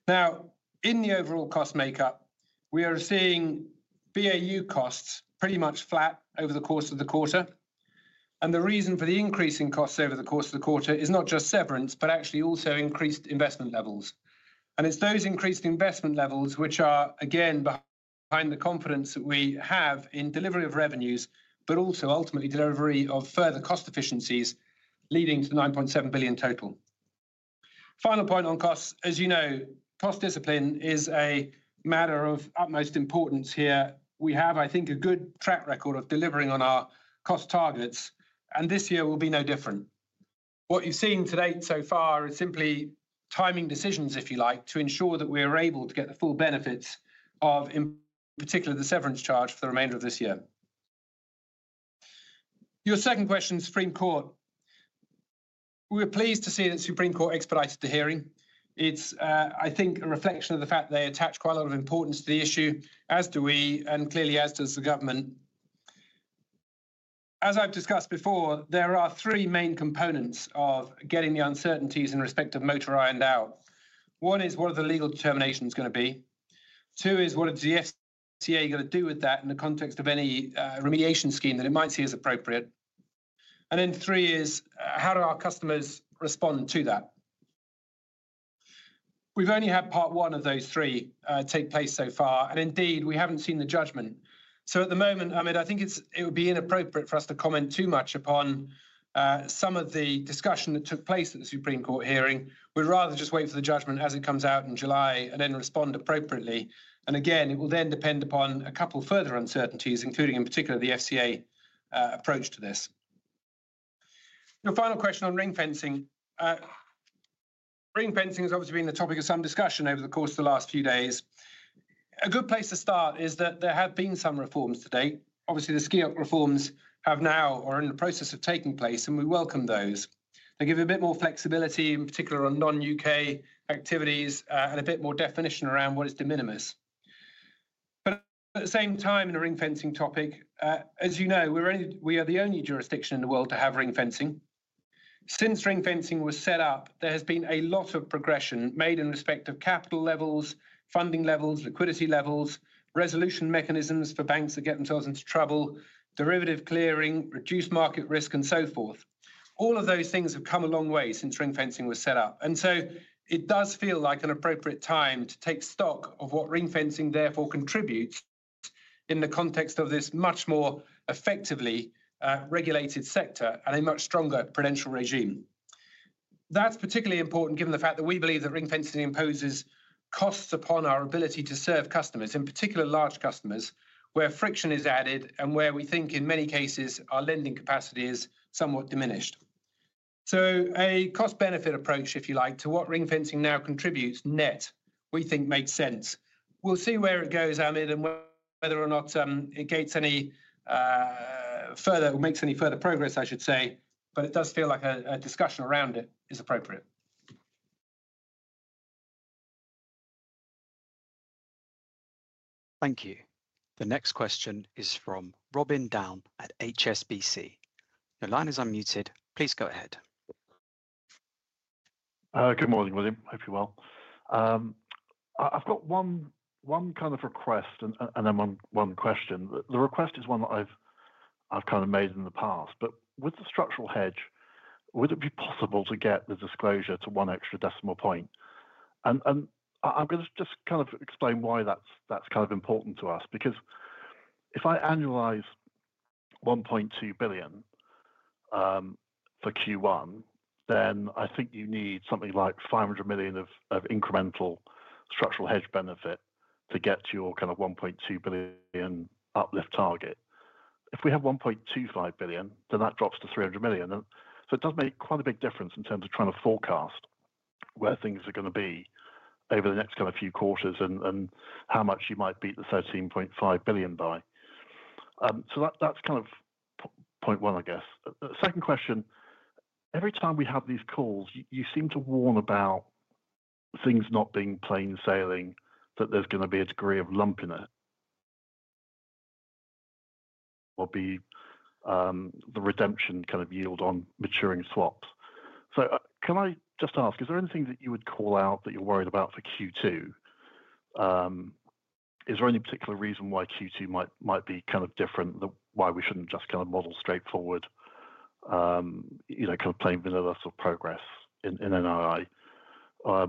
Now, in the overall cost makeup, we are seeing BAU costs pretty much flat over the course of the quarter. The reason for the increase in costs over the course of the quarter is not just severance, but actually also increased investment levels. It is those increased investment levels which are, again, behind the confidence that we have in delivery of revenues, but also ultimately delivery of further cost efficiencies leading to the 9.7 billion total. Final point on costs, as you know, cost discipline is a matter of utmost importance here. We have, I think, a good track record of delivering on our cost targets, and this year will be no different. What you have seen to date so far is simply timing decisions, if you like, to ensure that we are able to get the full benefits of, in particular, the severance charge for the remainder of this year. Your second question, Supreme Court. We are pleased to see that Supreme Court expedited the hearing. It's, I think, a reflection of the fact that they attach quite a lot of importance to the issue, as do we, and clearly, as does the government. As I've discussed before, there are three main components of getting the uncertainties in respect of motor finance out. One is, what are the legal determinations going to be? Two is, what is the FCA going to do with that in the context of any remediation scheme that it might see as appropriate? Three is, how do our customers respond to that? We've only had part one of those three take place so far, and indeed, we haven't seen the judgment. At the moment, I think it would be inappropriate for us to comment too much upon some of the discussion that took place at the Supreme Court hearing. We'd rather just wait for the judgment as it comes out in July and then respond appropriately. It will then depend upon a couple further uncertainties, including in particular the FCA approach to this. Your final question on ring fencing. Ring fencing has obviously been the topic of some discussion over the course of the last few days. A good place to start is that there have been some reforms to date. Obviously, the SKI-UP reforms have now or are in the process of taking place, and we welcome those. They give you a bit more flexibility, in particular on non-U.K. activities, and a bit more definition around what is de minimis. At the same time, in a ring fencing topic, as you know, we are the only jurisdiction in the world to have ring fencing. Since ring fencing was set up, there has been a lot of progression made in respect of capital levels, funding levels, liquidity levels, resolution mechanisms for banks that get themselves into trouble, derivative clearing, reduced market risk, and so forth. All of those things have come a long way since ring fencing was set up. It does feel like an appropriate time to take stock of what ring fencing therefore contributes in the context of this much more effectively regulated sector and a much stronger prudential regime. That is particularly important given the fact that we believe that ring fencing imposes costs upon our ability to serve customers, in particular large customers, where friction is added and where we think, in many cases, our lending capacity is somewhat diminished. A cost-benefit approach, if you like, to what ring fencing now contributes net, we think makes sense. We'll see where it goes, Amit, and whether or not it makes any further progress, I should say, but it does feel like a discussion around it is appropriate. Thank you. The next question is from Robin Down at HSBC. Your line is unmuted. Please go ahead. Good morning, William. Hope you're well. I've got one kind of request and then one question. The request is one that I've kind of made in the past, but with the structural hedge, would it be possible to get the disclosure to one extra decimal point? I'm going to just kind of explain why that's kind of important to us, because if I annualize 1.2 billion for Q1, then I think you need something like 500 million of incremental structural hedge benefit to get to your kind of 1.2 billion uplift target. If we have 1.25 billion, then that drops to 300 million. It does make quite a big difference in terms of trying to forecast where things are going to be over the next kind of few quarters and how much you might beat the 13.5 billion by. That is kind of point one, I guess. Second question, every time we have these calls, you seem to warn about things not being plain sailing, that there is going to be a degree of lumpiness. What would be the redemption kind of yield on maturing swaps? Can I just ask, is there anything that you would call out that you are worried about for Q2? Is there any particular reason why Q2 might be kind of different than why we should not just kind of model straightforward, kind of plain vanilla sort of progress in NII? Is there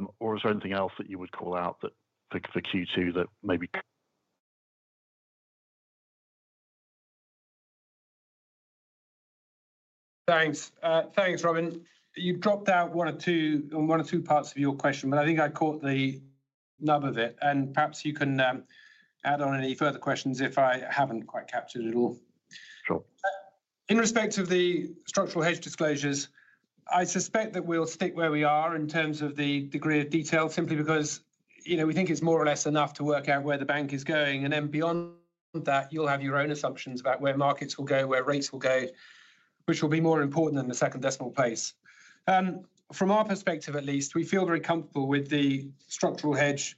anything else that you would call out for Q2 that maybe? Thanks. Thanks, Robin. You dropped out one or two parts of your question, but I think I caught the nub of it. Perhaps you can add on any further questions if I have not quite captured it all. Sure. In respect of the structural hedge disclosures, I suspect that we will stick where we are in terms of the degree of detail, simply because we think it is more or less enough to work out where the bank is going. Beyond that, you will have your own assumptions about where markets will go, where rates will go, which will be more important than the second decimal place. From our perspective, at least, we feel very comfortable with the structural hedge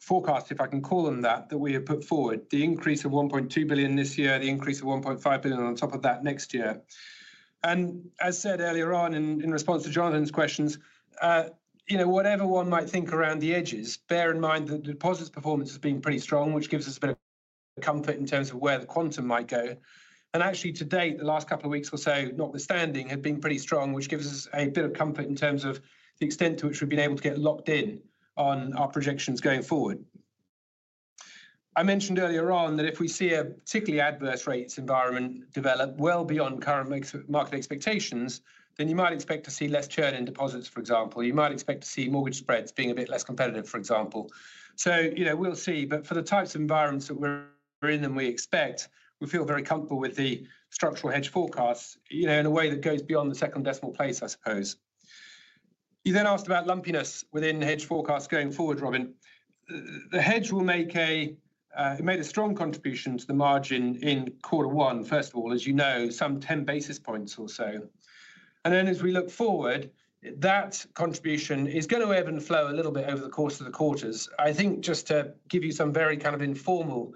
forecast, if I can call them that, that we have put forward, the increase of 1.2 billion this year, the increase of 1.5 billion on top of that next year. As said earlier on in response to Jonathan's questions, whatever one might think around the edges, bear in mind that the deposit's performance has been pretty strong, which gives us a bit of comfort in terms of where the quantum might go. Actually, to date, the last couple of weeks or so, notwithstanding, have been pretty strong, which gives us a bit of comfort in terms of the extent to which we've been able to get locked in on our projections going forward. I mentioned earlier on that if we see a particularly adverse rates environment develop well beyond current market expectations, you might expect to see less churn in deposits, for example. You might expect to see mortgage spreads being a bit less competitive, for example. We will see. For the types of environments that we are in and we expect, we feel very comfortable with the structural hedge forecasts in a way that goes beyond the second decimal place, I suppose. You then asked about lumpiness within hedge forecasts going forward, Robin. The hedge will make a strong contribution to the margin in quarter one, first of all, as you know, some 10 basis points or so. As we look forward, that contribution is going to ebb and flow a little bit over the course of the quarters. I think just to give you some very kind of informal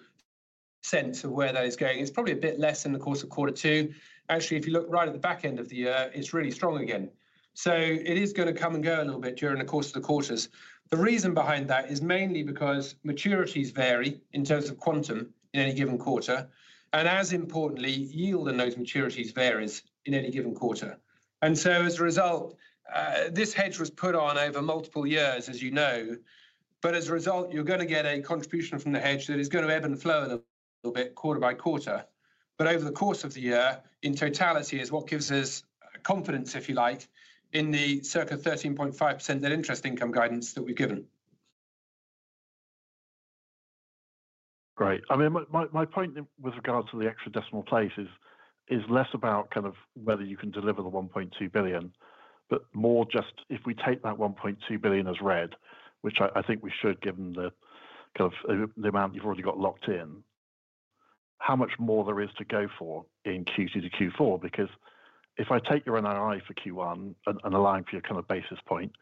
sense of where that is going, it's probably a bit less in the course of quarter two. Actually, if you look right at the back end of the year, it's really strong again. It is going to come and go a little bit during the course of the quarters. The reason behind that is mainly because maturities vary in terms of quantum in any given quarter. As importantly, yield on those maturities varies in any given quarter. As a result, this hedge was put on over multiple years, as you know. As a result, you're going to get a contribution from the hedge that is going to ebb and flow a little bit quarter by quarter. Over the course of the year, in totality, is what gives us confidence, if you like, in the circa 13.5% net interest income guidance that we've given. Great. I mean, my point with regards to the extra decimal places is less about kind of whether you can deliver the 1.2 billion, but more just if we take that 1.2 billion as read, which I think we should, given the kind of the amount you've already got locked in, how much more there is to go for in Q2 to Q4. Because if I take your NII for Q1 and align for your kind of basis point,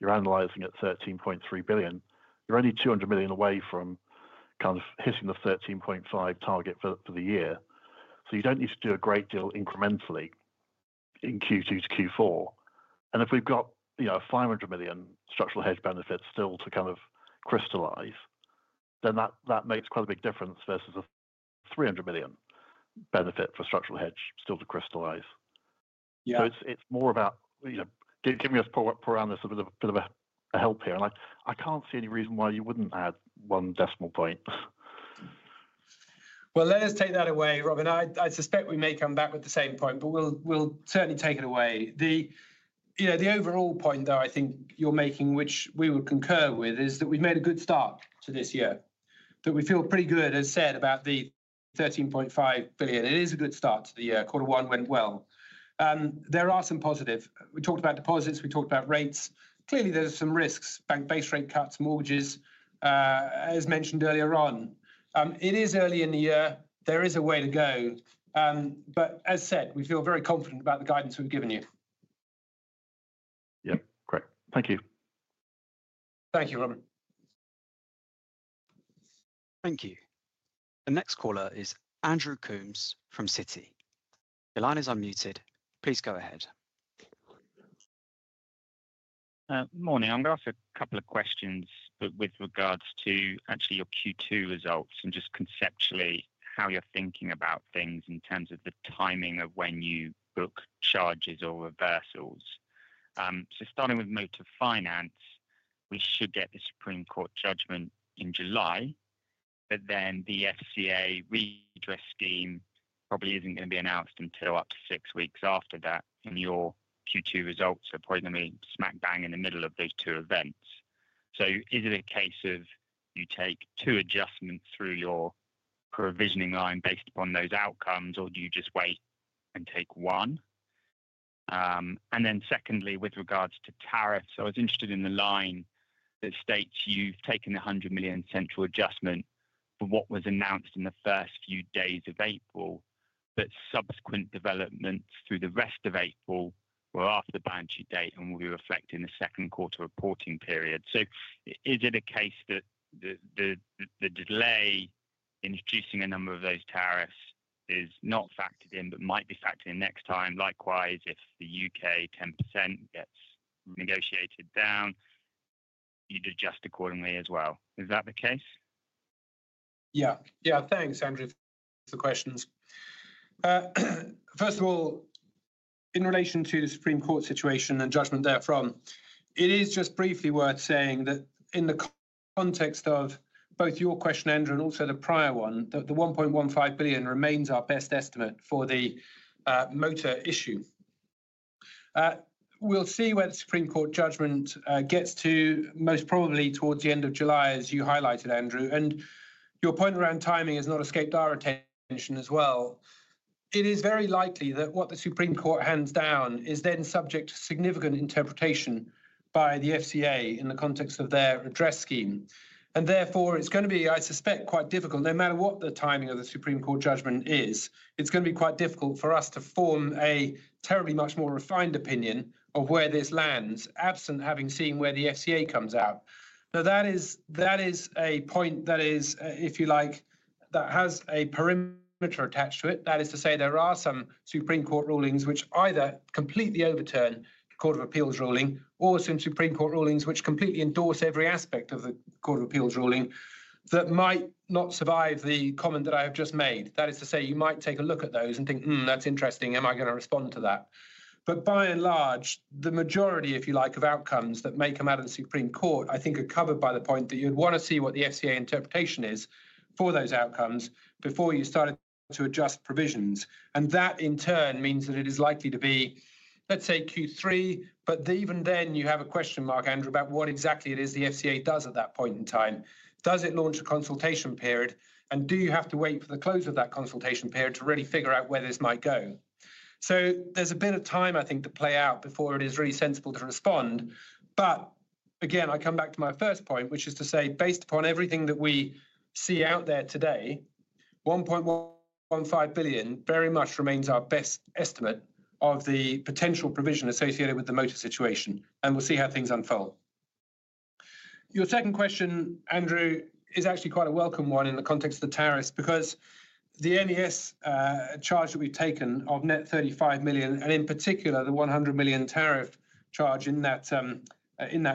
you're analyzing at 13.3 billion. You're only 200 million away from kind of hitting the 13.5 target for the year. You do not need to do a great deal incrementally in Q2 to Q4. If we have 500 million structural hedge benefits still to kind of crystallize, then that makes quite a big difference versus a 300 million benefit for structural hedge still to crystallize. It is more about giving us poor analysts a bit of a help here. I cannot see any reason why you would not add one decimal point. Let us take that away, Robin. I suspect we may come back with the same point, but we will certainly take it away. The overall point, though, I think you are making, which we would concur with, is that we have made a good start to this year. We feel pretty good, as said, about the 13.5 billion. It is a good start to the year. Quarter one went well. There are some positives. We talked about deposits. We talked about rates. Clearly, there's some risks, bank base rate cuts, mortgages, as mentioned earlier on. It is early in the year. There is a way to go. As said, we feel very confident about the guidance we've given you. Yep. Great. Thank you. Thank you, Robin. Thank you. The next caller is Andrew Coombs from Citi. Your line is unmuted. Please go ahead. Morning. I'm going to ask a couple of questions with regards to actually your Q2 results and just conceptually how you're thinking about things in terms of the timing of when you book charges or reversals. Starting with motor finance, we should get the Supreme Court judgment in July. The FCA redress scheme probably isn't going to be announced until up to six weeks after that. Your Q2 results are probably going to be smack bang in the middle of those two events. Is it a case of you take two adjustments through your provisioning line based upon those outcomes, or do you just wait and take one? Secondly, with regards to tariffs, I was interested in the line that states you've taken the 100 million central adjustment for what was announced in the first few days of April, but subsequent developments through the rest of April were after the balance sheet date and will be reflected in the second quarter reporting period. Is it a case that the delay in introducing a number of those tariffs is not factored in, but might be factored in next time? Likewise, if the U.K. 10% gets negotiated down, you'd adjust accordingly as well. Is that the case? Yeah. Yeah. Thanks, Andrew, for the questions. First of all, in relation to the Supreme Court situation and judgment therefrom, it is just briefly worth saying that in the context of both your question, Andrew, and also the prior one, that the 1.15 billion remains our best estimate for the motor issue. We'll see where the Supreme Court judgment gets to, most probably towards the end of July, as you highlighted, Andrew. Your point around timing has not escaped our attention as well. It is very likely that what the Supreme Court hands down is then subject to significant interpretation by the FCA in the context of their redress scheme. Therefore, it's going to be, I suspect, quite difficult, no matter what the timing of the Supreme Court judgment is. It's going to be quite difficult for us to form a terribly much more refined opinion of where this lands, absent having seen where the FCA comes out. Now, that is a point that is, if you like, that has a perimeter attached to it. That is to say, there are some Supreme Court rulings which either completely overturn the Court of Appeals ruling or some Supreme Court rulings which completely endorse every aspect of the Court of Appeals ruling that might not survive the comment that I have just made. That is to say, you might take a look at those and think, that's interesting. Am I going to respond to that? By and large, the majority, if you like, of outcomes that may come out of the Supreme Court, I think, are covered by the point that you'd want to see what the FCA interpretation is for those outcomes before you started to adjust provisions. That, in turn, means that it is likely to be, let's say, Q3. Even then, you have a question mark, Andrew, about what exactly it is the FCA does at that point in time. Does it launch a consultation period? Do you have to wait for the close of that consultation period to really figure out where this might go? There is a bit of time, I think, to play out before it is really sensible to respond. Again, I come back to my first point, which is to say, based upon everything that we see out there today, 1.15 billion very much remains our best estimate of the potential provision associated with the motor situation. We'll see how things unfold. Your second question, Andrew, is actually quite a welcome one in the context of the tariffs because the NES charge that we've taken of net 35 million, and in particular, the 100 million tariff charge in that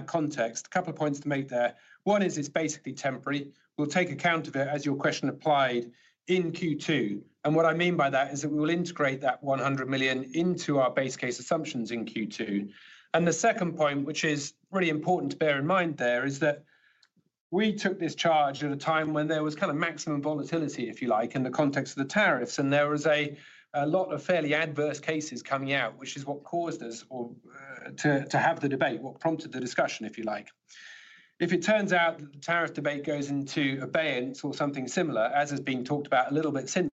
context, a couple of points to make there. One is it's basically temporary. We'll take account of it, as your question applied, in Q2. What I mean by that is that we will integrate that 100 million into our base case assumptions in Q2. The second point, which is really important to bear in mind there, is that we took this charge at a time when there was kind of maximum volatility, if you like, in the context of the tariffs. There was a lot of fairly adverse cases coming out, which is what caused us to have the debate, what prompted the discussion, if you like. If it turns out that the tariff debate goes into abeyance or something similar, as has been talked about a little bit since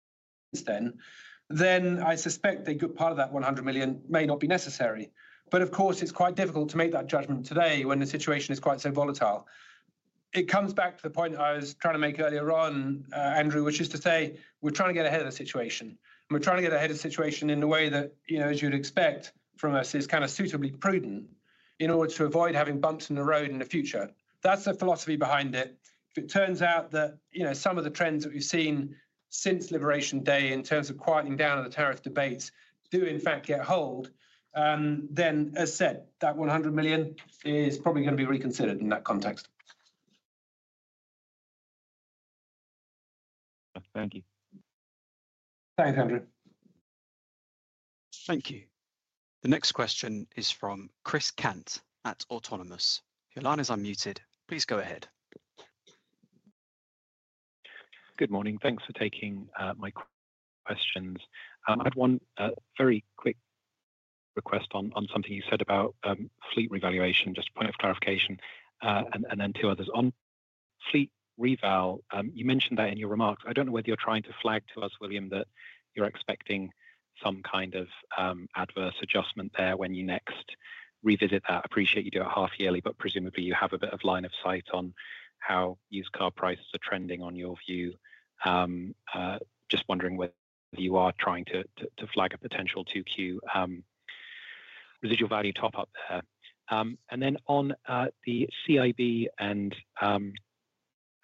then, I suspect a good part of that 100 million may not be necessary. Of course, it is quite difficult to make that judgment today when the situation is quite so volatile. It comes back to the point I was trying to make earlier on, Andrew, which is to say, we are trying to get ahead of the situation. We're trying to get ahead of the situation in a way that, as you'd expect from us, is kind of suitably prudent in order to avoid having bumps in the road in the future. That's the philosophy behind it. If it turns out that some of the trends that we've seen since Liberation Day in terms of quieting down of the tariff debates do, in fact, get hold, then, as said, that 100 million is probably going to be reconsidered in that context. Thank you. Thanks, Andrew. Thank you. The next question is from Chris Cant at Autonomous. Your line is unmuted. Please go ahead. Good morning. Thanks for taking my questions. I had one very quick request on something you said about fleet revaluation, just a point of clarification, and then two others. On fleet reval, you mentioned that in your remarks. I don't know whether you're trying to flag to us, William, that you're expecting some kind of adverse adjustment there when you next revisit that. Appreciate you do it half-yearly, but presumably you have a bit of line of sight on how used car prices are trending on your view. Just wondering whether you are trying to flag a potential residual value top-up there. On the CIB and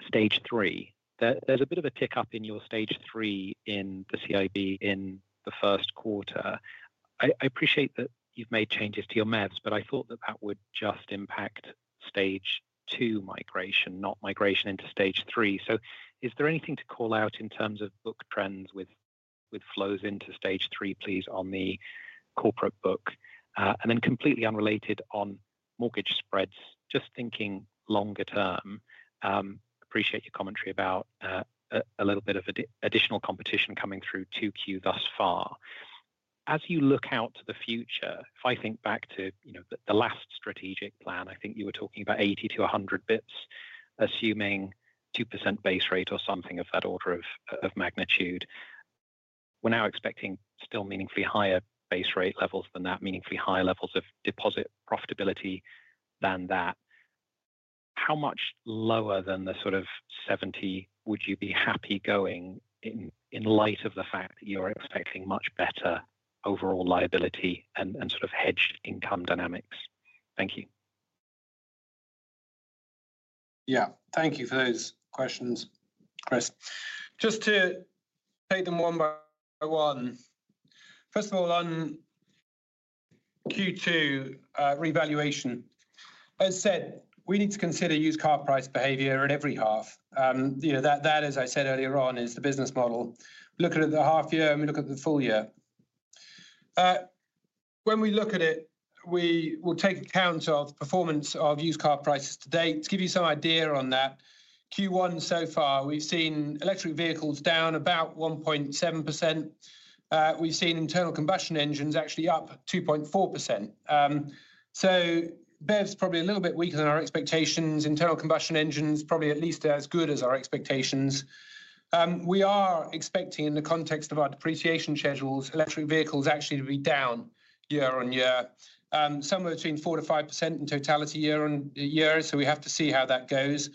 stage three, there's a bit of a tick up in your stage three in the CIB in the first quarter. I appreciate that you've made changes to your MEVs, but I thought that that would just impact stage two migration, not migration into stage three. Is there anything to call out in terms of book trends with flows into stage three, please, on the corporate book? Then completely unrelated on mortgage spreads, just thinking longer term, appreciate your commentary about a little bit of additional competition coming through to Q thus far. As you look out to the future, if I think back to the last strategic plan, I think you were talking about 80-100 basis points, assuming 2% base rate or something of that order of magnitude. We are now expecting still meaningfully higher base rate levels than that, meaningfully higher levels of deposit profitability than that. How much lower than the sort of 70 would you be happy going in light of the fact that you are expecting much better overall liability and sort of hedged income dynamics? Thank you. Yeah. Thank you for those questions, Chris. Just to take them one by one. First of all, on Q2 revaluation, as said, we need to consider used car price behavior at every half. That, as I said earlier on, is the business model. Look at it at the half year and we look at the full year. When we look at it, we will take account of performance of used car prices to date. To give you some idea on that, Q1 so far, we've seen electric vehicles down about 1.7%. We've seen internal combustion engines actually up 2.4%. So BEVs probably a little bit weaker than our expectations. Internal combustion engines probably at least as good as our expectations. We are expecting, in the context of our depreciation schedules, electric vehicles actually to be down year-on-year, somewhere between 4%-5% in totality year-on-year. So we have to see how that goes.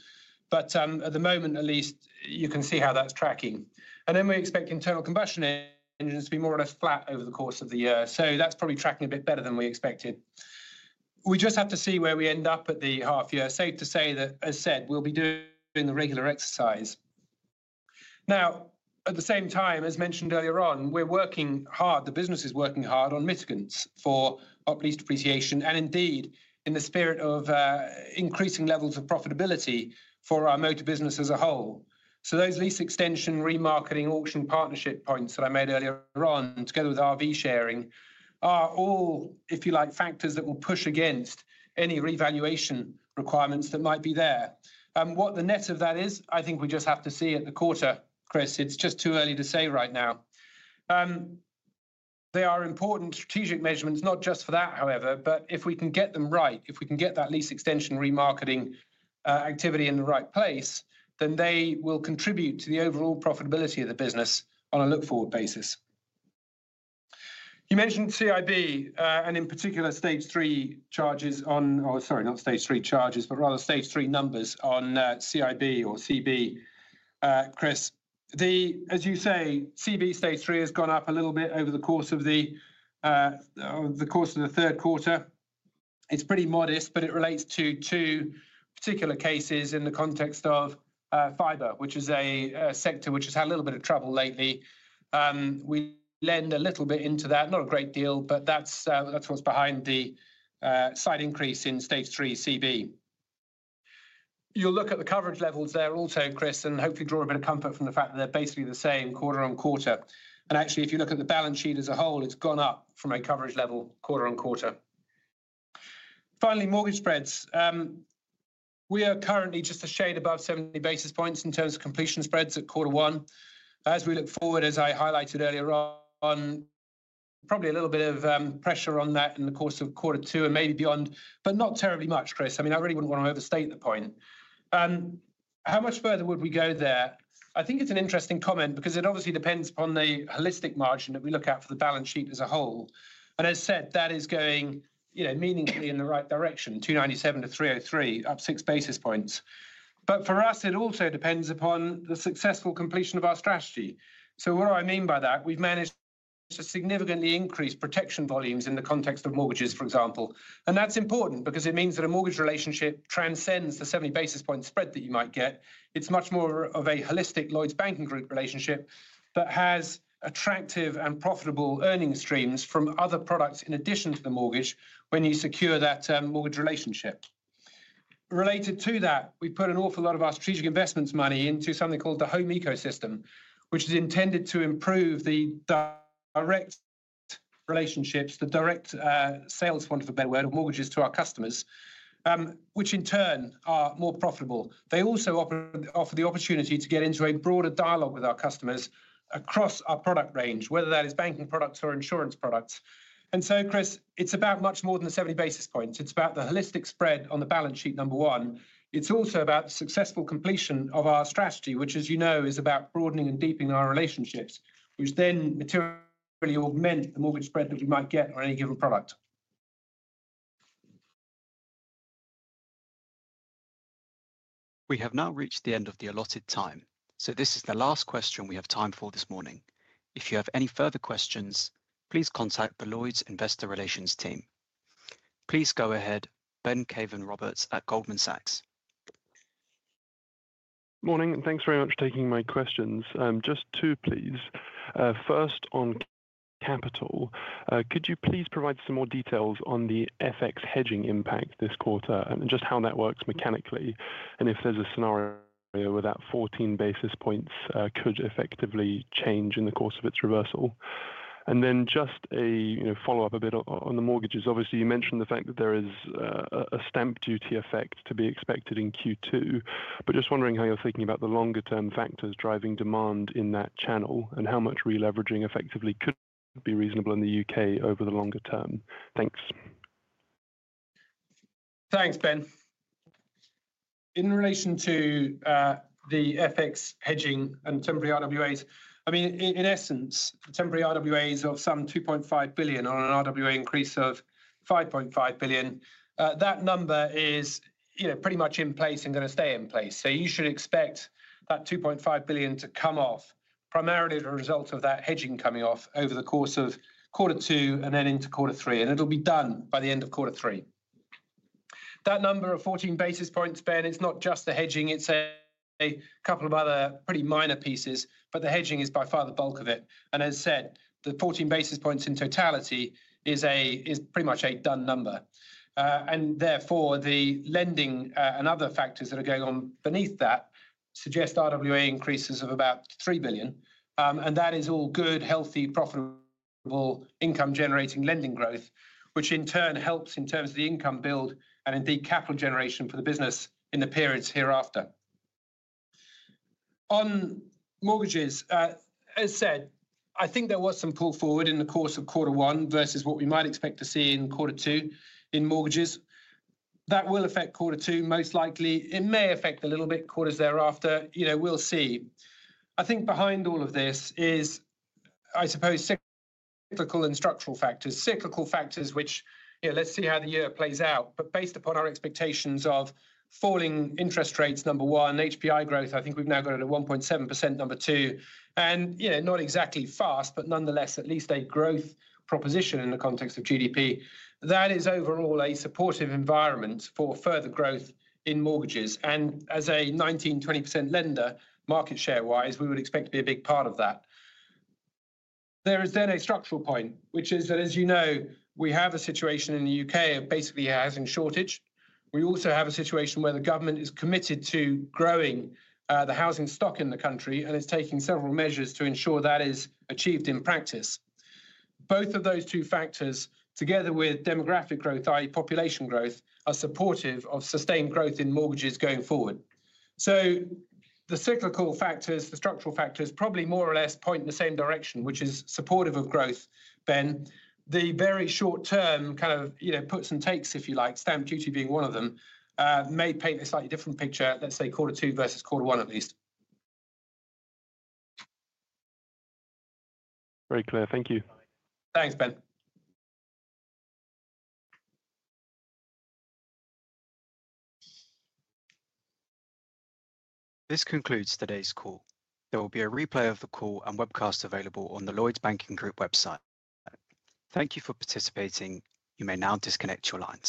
But at the moment, at least, you can see how that's tracking. We expect internal combustion engines to be more or less flat over the course of the year. That is probably tracking a bit better than we expected. We just have to see where we end up at the half year. Safe to say that, as said, we will be doing the regular exercise. At the same time, as mentioned earlier on, we are working hard. The business is working hard on mitigants for upleased depreciation and indeed in the spirit of increasing levels of profitability for our motor business as a whole. Those lease extension, remarketing, auction partnership points that I made earlier on together with RV sharing are all, if you like, factors that will push against any revaluation requirements that might be there. What the net of that is, I think we just have to see at the quarter, Chris. It's just too early to say right now. They are important strategic measurements, not just for that, however, but if we can get them right, if we can get that lease extension remarketing activity in the right place, then they will contribute to the overall profitability of the business on a look-forward basis. You mentioned CIB and in particular stage three charges on, oh, sorry, not stage three charges, but rather stage three numbers on CIB or CB, Chris. As you say, CB stage three has gone up a little bit over the course of the third quarter. It's pretty modest, but it relates to two particular cases in the context of fiber, which is a sector which has had a little bit of trouble lately. We lend a little bit into that, not a great deal, but that's what's behind the slight increase in stage three CB. You'll look at the coverage levels there also, Chris, and hopefully draw a bit of comfort from the fact that they're basically the same quarter-on-quarter. Actually, if you look at the balance sheet as a whole, it's gone up from a coverage level quarter-on-quarter. Finally, mortgage spreads. We are currently just a shade above 70 basis points in terms of completion spreads at quarter one. As we look forward, as I highlighted earlier on, probably a little bit of pressure on that in the course of quarter two and maybe beyond, but not terribly much, Chris. I mean, I really wouldn't want to overstate the point. How much further would we go there? I think it's an interesting comment because it obviously depends upon the holistic margin that we look at for the balance sheet as a whole. As said, that is going meaningfully in the right direction, 297-303, up 6 basis points. For us, it also depends upon the successful completion of our strategy. What do I mean by that? We have managed to significantly increase protection volumes in the context of mortgages, for example. That is important because it means that a mortgage relationship transcends the 70 basis point spread that you might get. It is much more of a holistic Lloyds Banking Group relationship that has attractive and profitable earnings streams from other products in addition to the mortgage when you secure that mortgage relationship. Related to that, we put an awful lot of our strategic investments money into something called the home ecosystem, which is intended to improve the direct relationships, the direct sales point, for a better word, of mortgages to our customers, which in turn are more profitable. They also offer the opportunity to get into a broader dialogue with our customers across our product range, whether that is banking products or insurance products. Chris, it is about much more than 70 basis points. It is about the holistic spread on the balance sheet, number one. It is also about the successful completion of our strategy, which, as you know, is about broadening and deepening our relationships, which then materially augment the mortgage spread that we might get on any given product. We have now reached the end of the allotted time. This is the last question we have time for this morning. If you have any further questions, please contact the Lloyds Investor Relations team. Please go ahead, Ben Cavan-Roberts at Goldman Sachs. Morning, and thanks very much for taking my questions. Just two, please. First, on capital, could you please provide some more details on the FX hedging impact this quarter and just how that works mechanically and if there's a scenario where that 14 basis points could effectively change in the course of its reversal? Then just a follow-up a bit on the mortgages. Obviously, you mentioned the fact that there is a stamp duty effect to be expected in Q2, but just wondering how you're thinking about the longer-term factors driving demand in that channel and how much re-leveraging effectively could be reasonable in the U.K. over the longer term. Thanks. Thanks, Ben. In relation to the FX hedging and temporary RWAs, I mean, in essence, the temporary RWAs of some 2.5 billion on an RWA increase of 5.5 billion, that number is pretty much in place and going to stay in place. You should expect that 2.5 billion to come off primarily as a result of that hedging coming off over the course of quarter two and then into quarter three, and it will be done by the end of quarter three. That number of 14 basis points, Ben, is not just the hedging. It is a couple of other pretty minor pieces, but the hedging is by far the bulk of it. As said, the 14 basis points in totality is pretty much a done number. Therefore, the lending and other factors that are going on beneath that suggest RWA increases of about 3 billion. That is all good, healthy, profitable income-generating lending growth, which in turn helps in terms of the income build and indeed capital generation for the business in the periods hereafter. On mortgages, as said, I think there was some pull forward in the course of quarter one versus what we might expect to see in quarter two in mortgages. That will affect quarter two, most likely. It may affect a little bit quarters thereafter. We'll see. I think behind all of this is, I suppose, cyclical and structural factors. Cyclical factors, which let's see how the year plays out. Based upon our expectations of falling interest rates, number one, HPI growth, I think we've now got it at 1.7%, number two. Not exactly fast, but nonetheless, at least a growth proposition in the context of GDP. That is overall a supportive environment for further growth in mortgages. As a 19%, 20% lender, market share-wise, we would expect to be a big part of that. There is then a structural point, which is that, as you know, we have a situation in the U.K. of basically housing shortage. We also have a situation where the government is committed to growing the housing stock in the country and is taking several measures to ensure that is achieved in practice. Both of those two factors, together with demographic growth, i.e., population growth, are supportive of sustained growth in mortgages going forward. The cyclical factors, the structural factors probably more or less point in the same direction, which is supportive of growth, Ben. The very short-term kind of puts and takes, if you like, stamp duty being one of them, may paint a slightly different picture, let's say quarter two versus quarter one at least. Very clear. Thank you. Thanks, Ben. This concludes today's call. There will be a replay of the call and webcast available on the Lloyds Banking Group website. Thank you for participating. You may now disconnect your lines.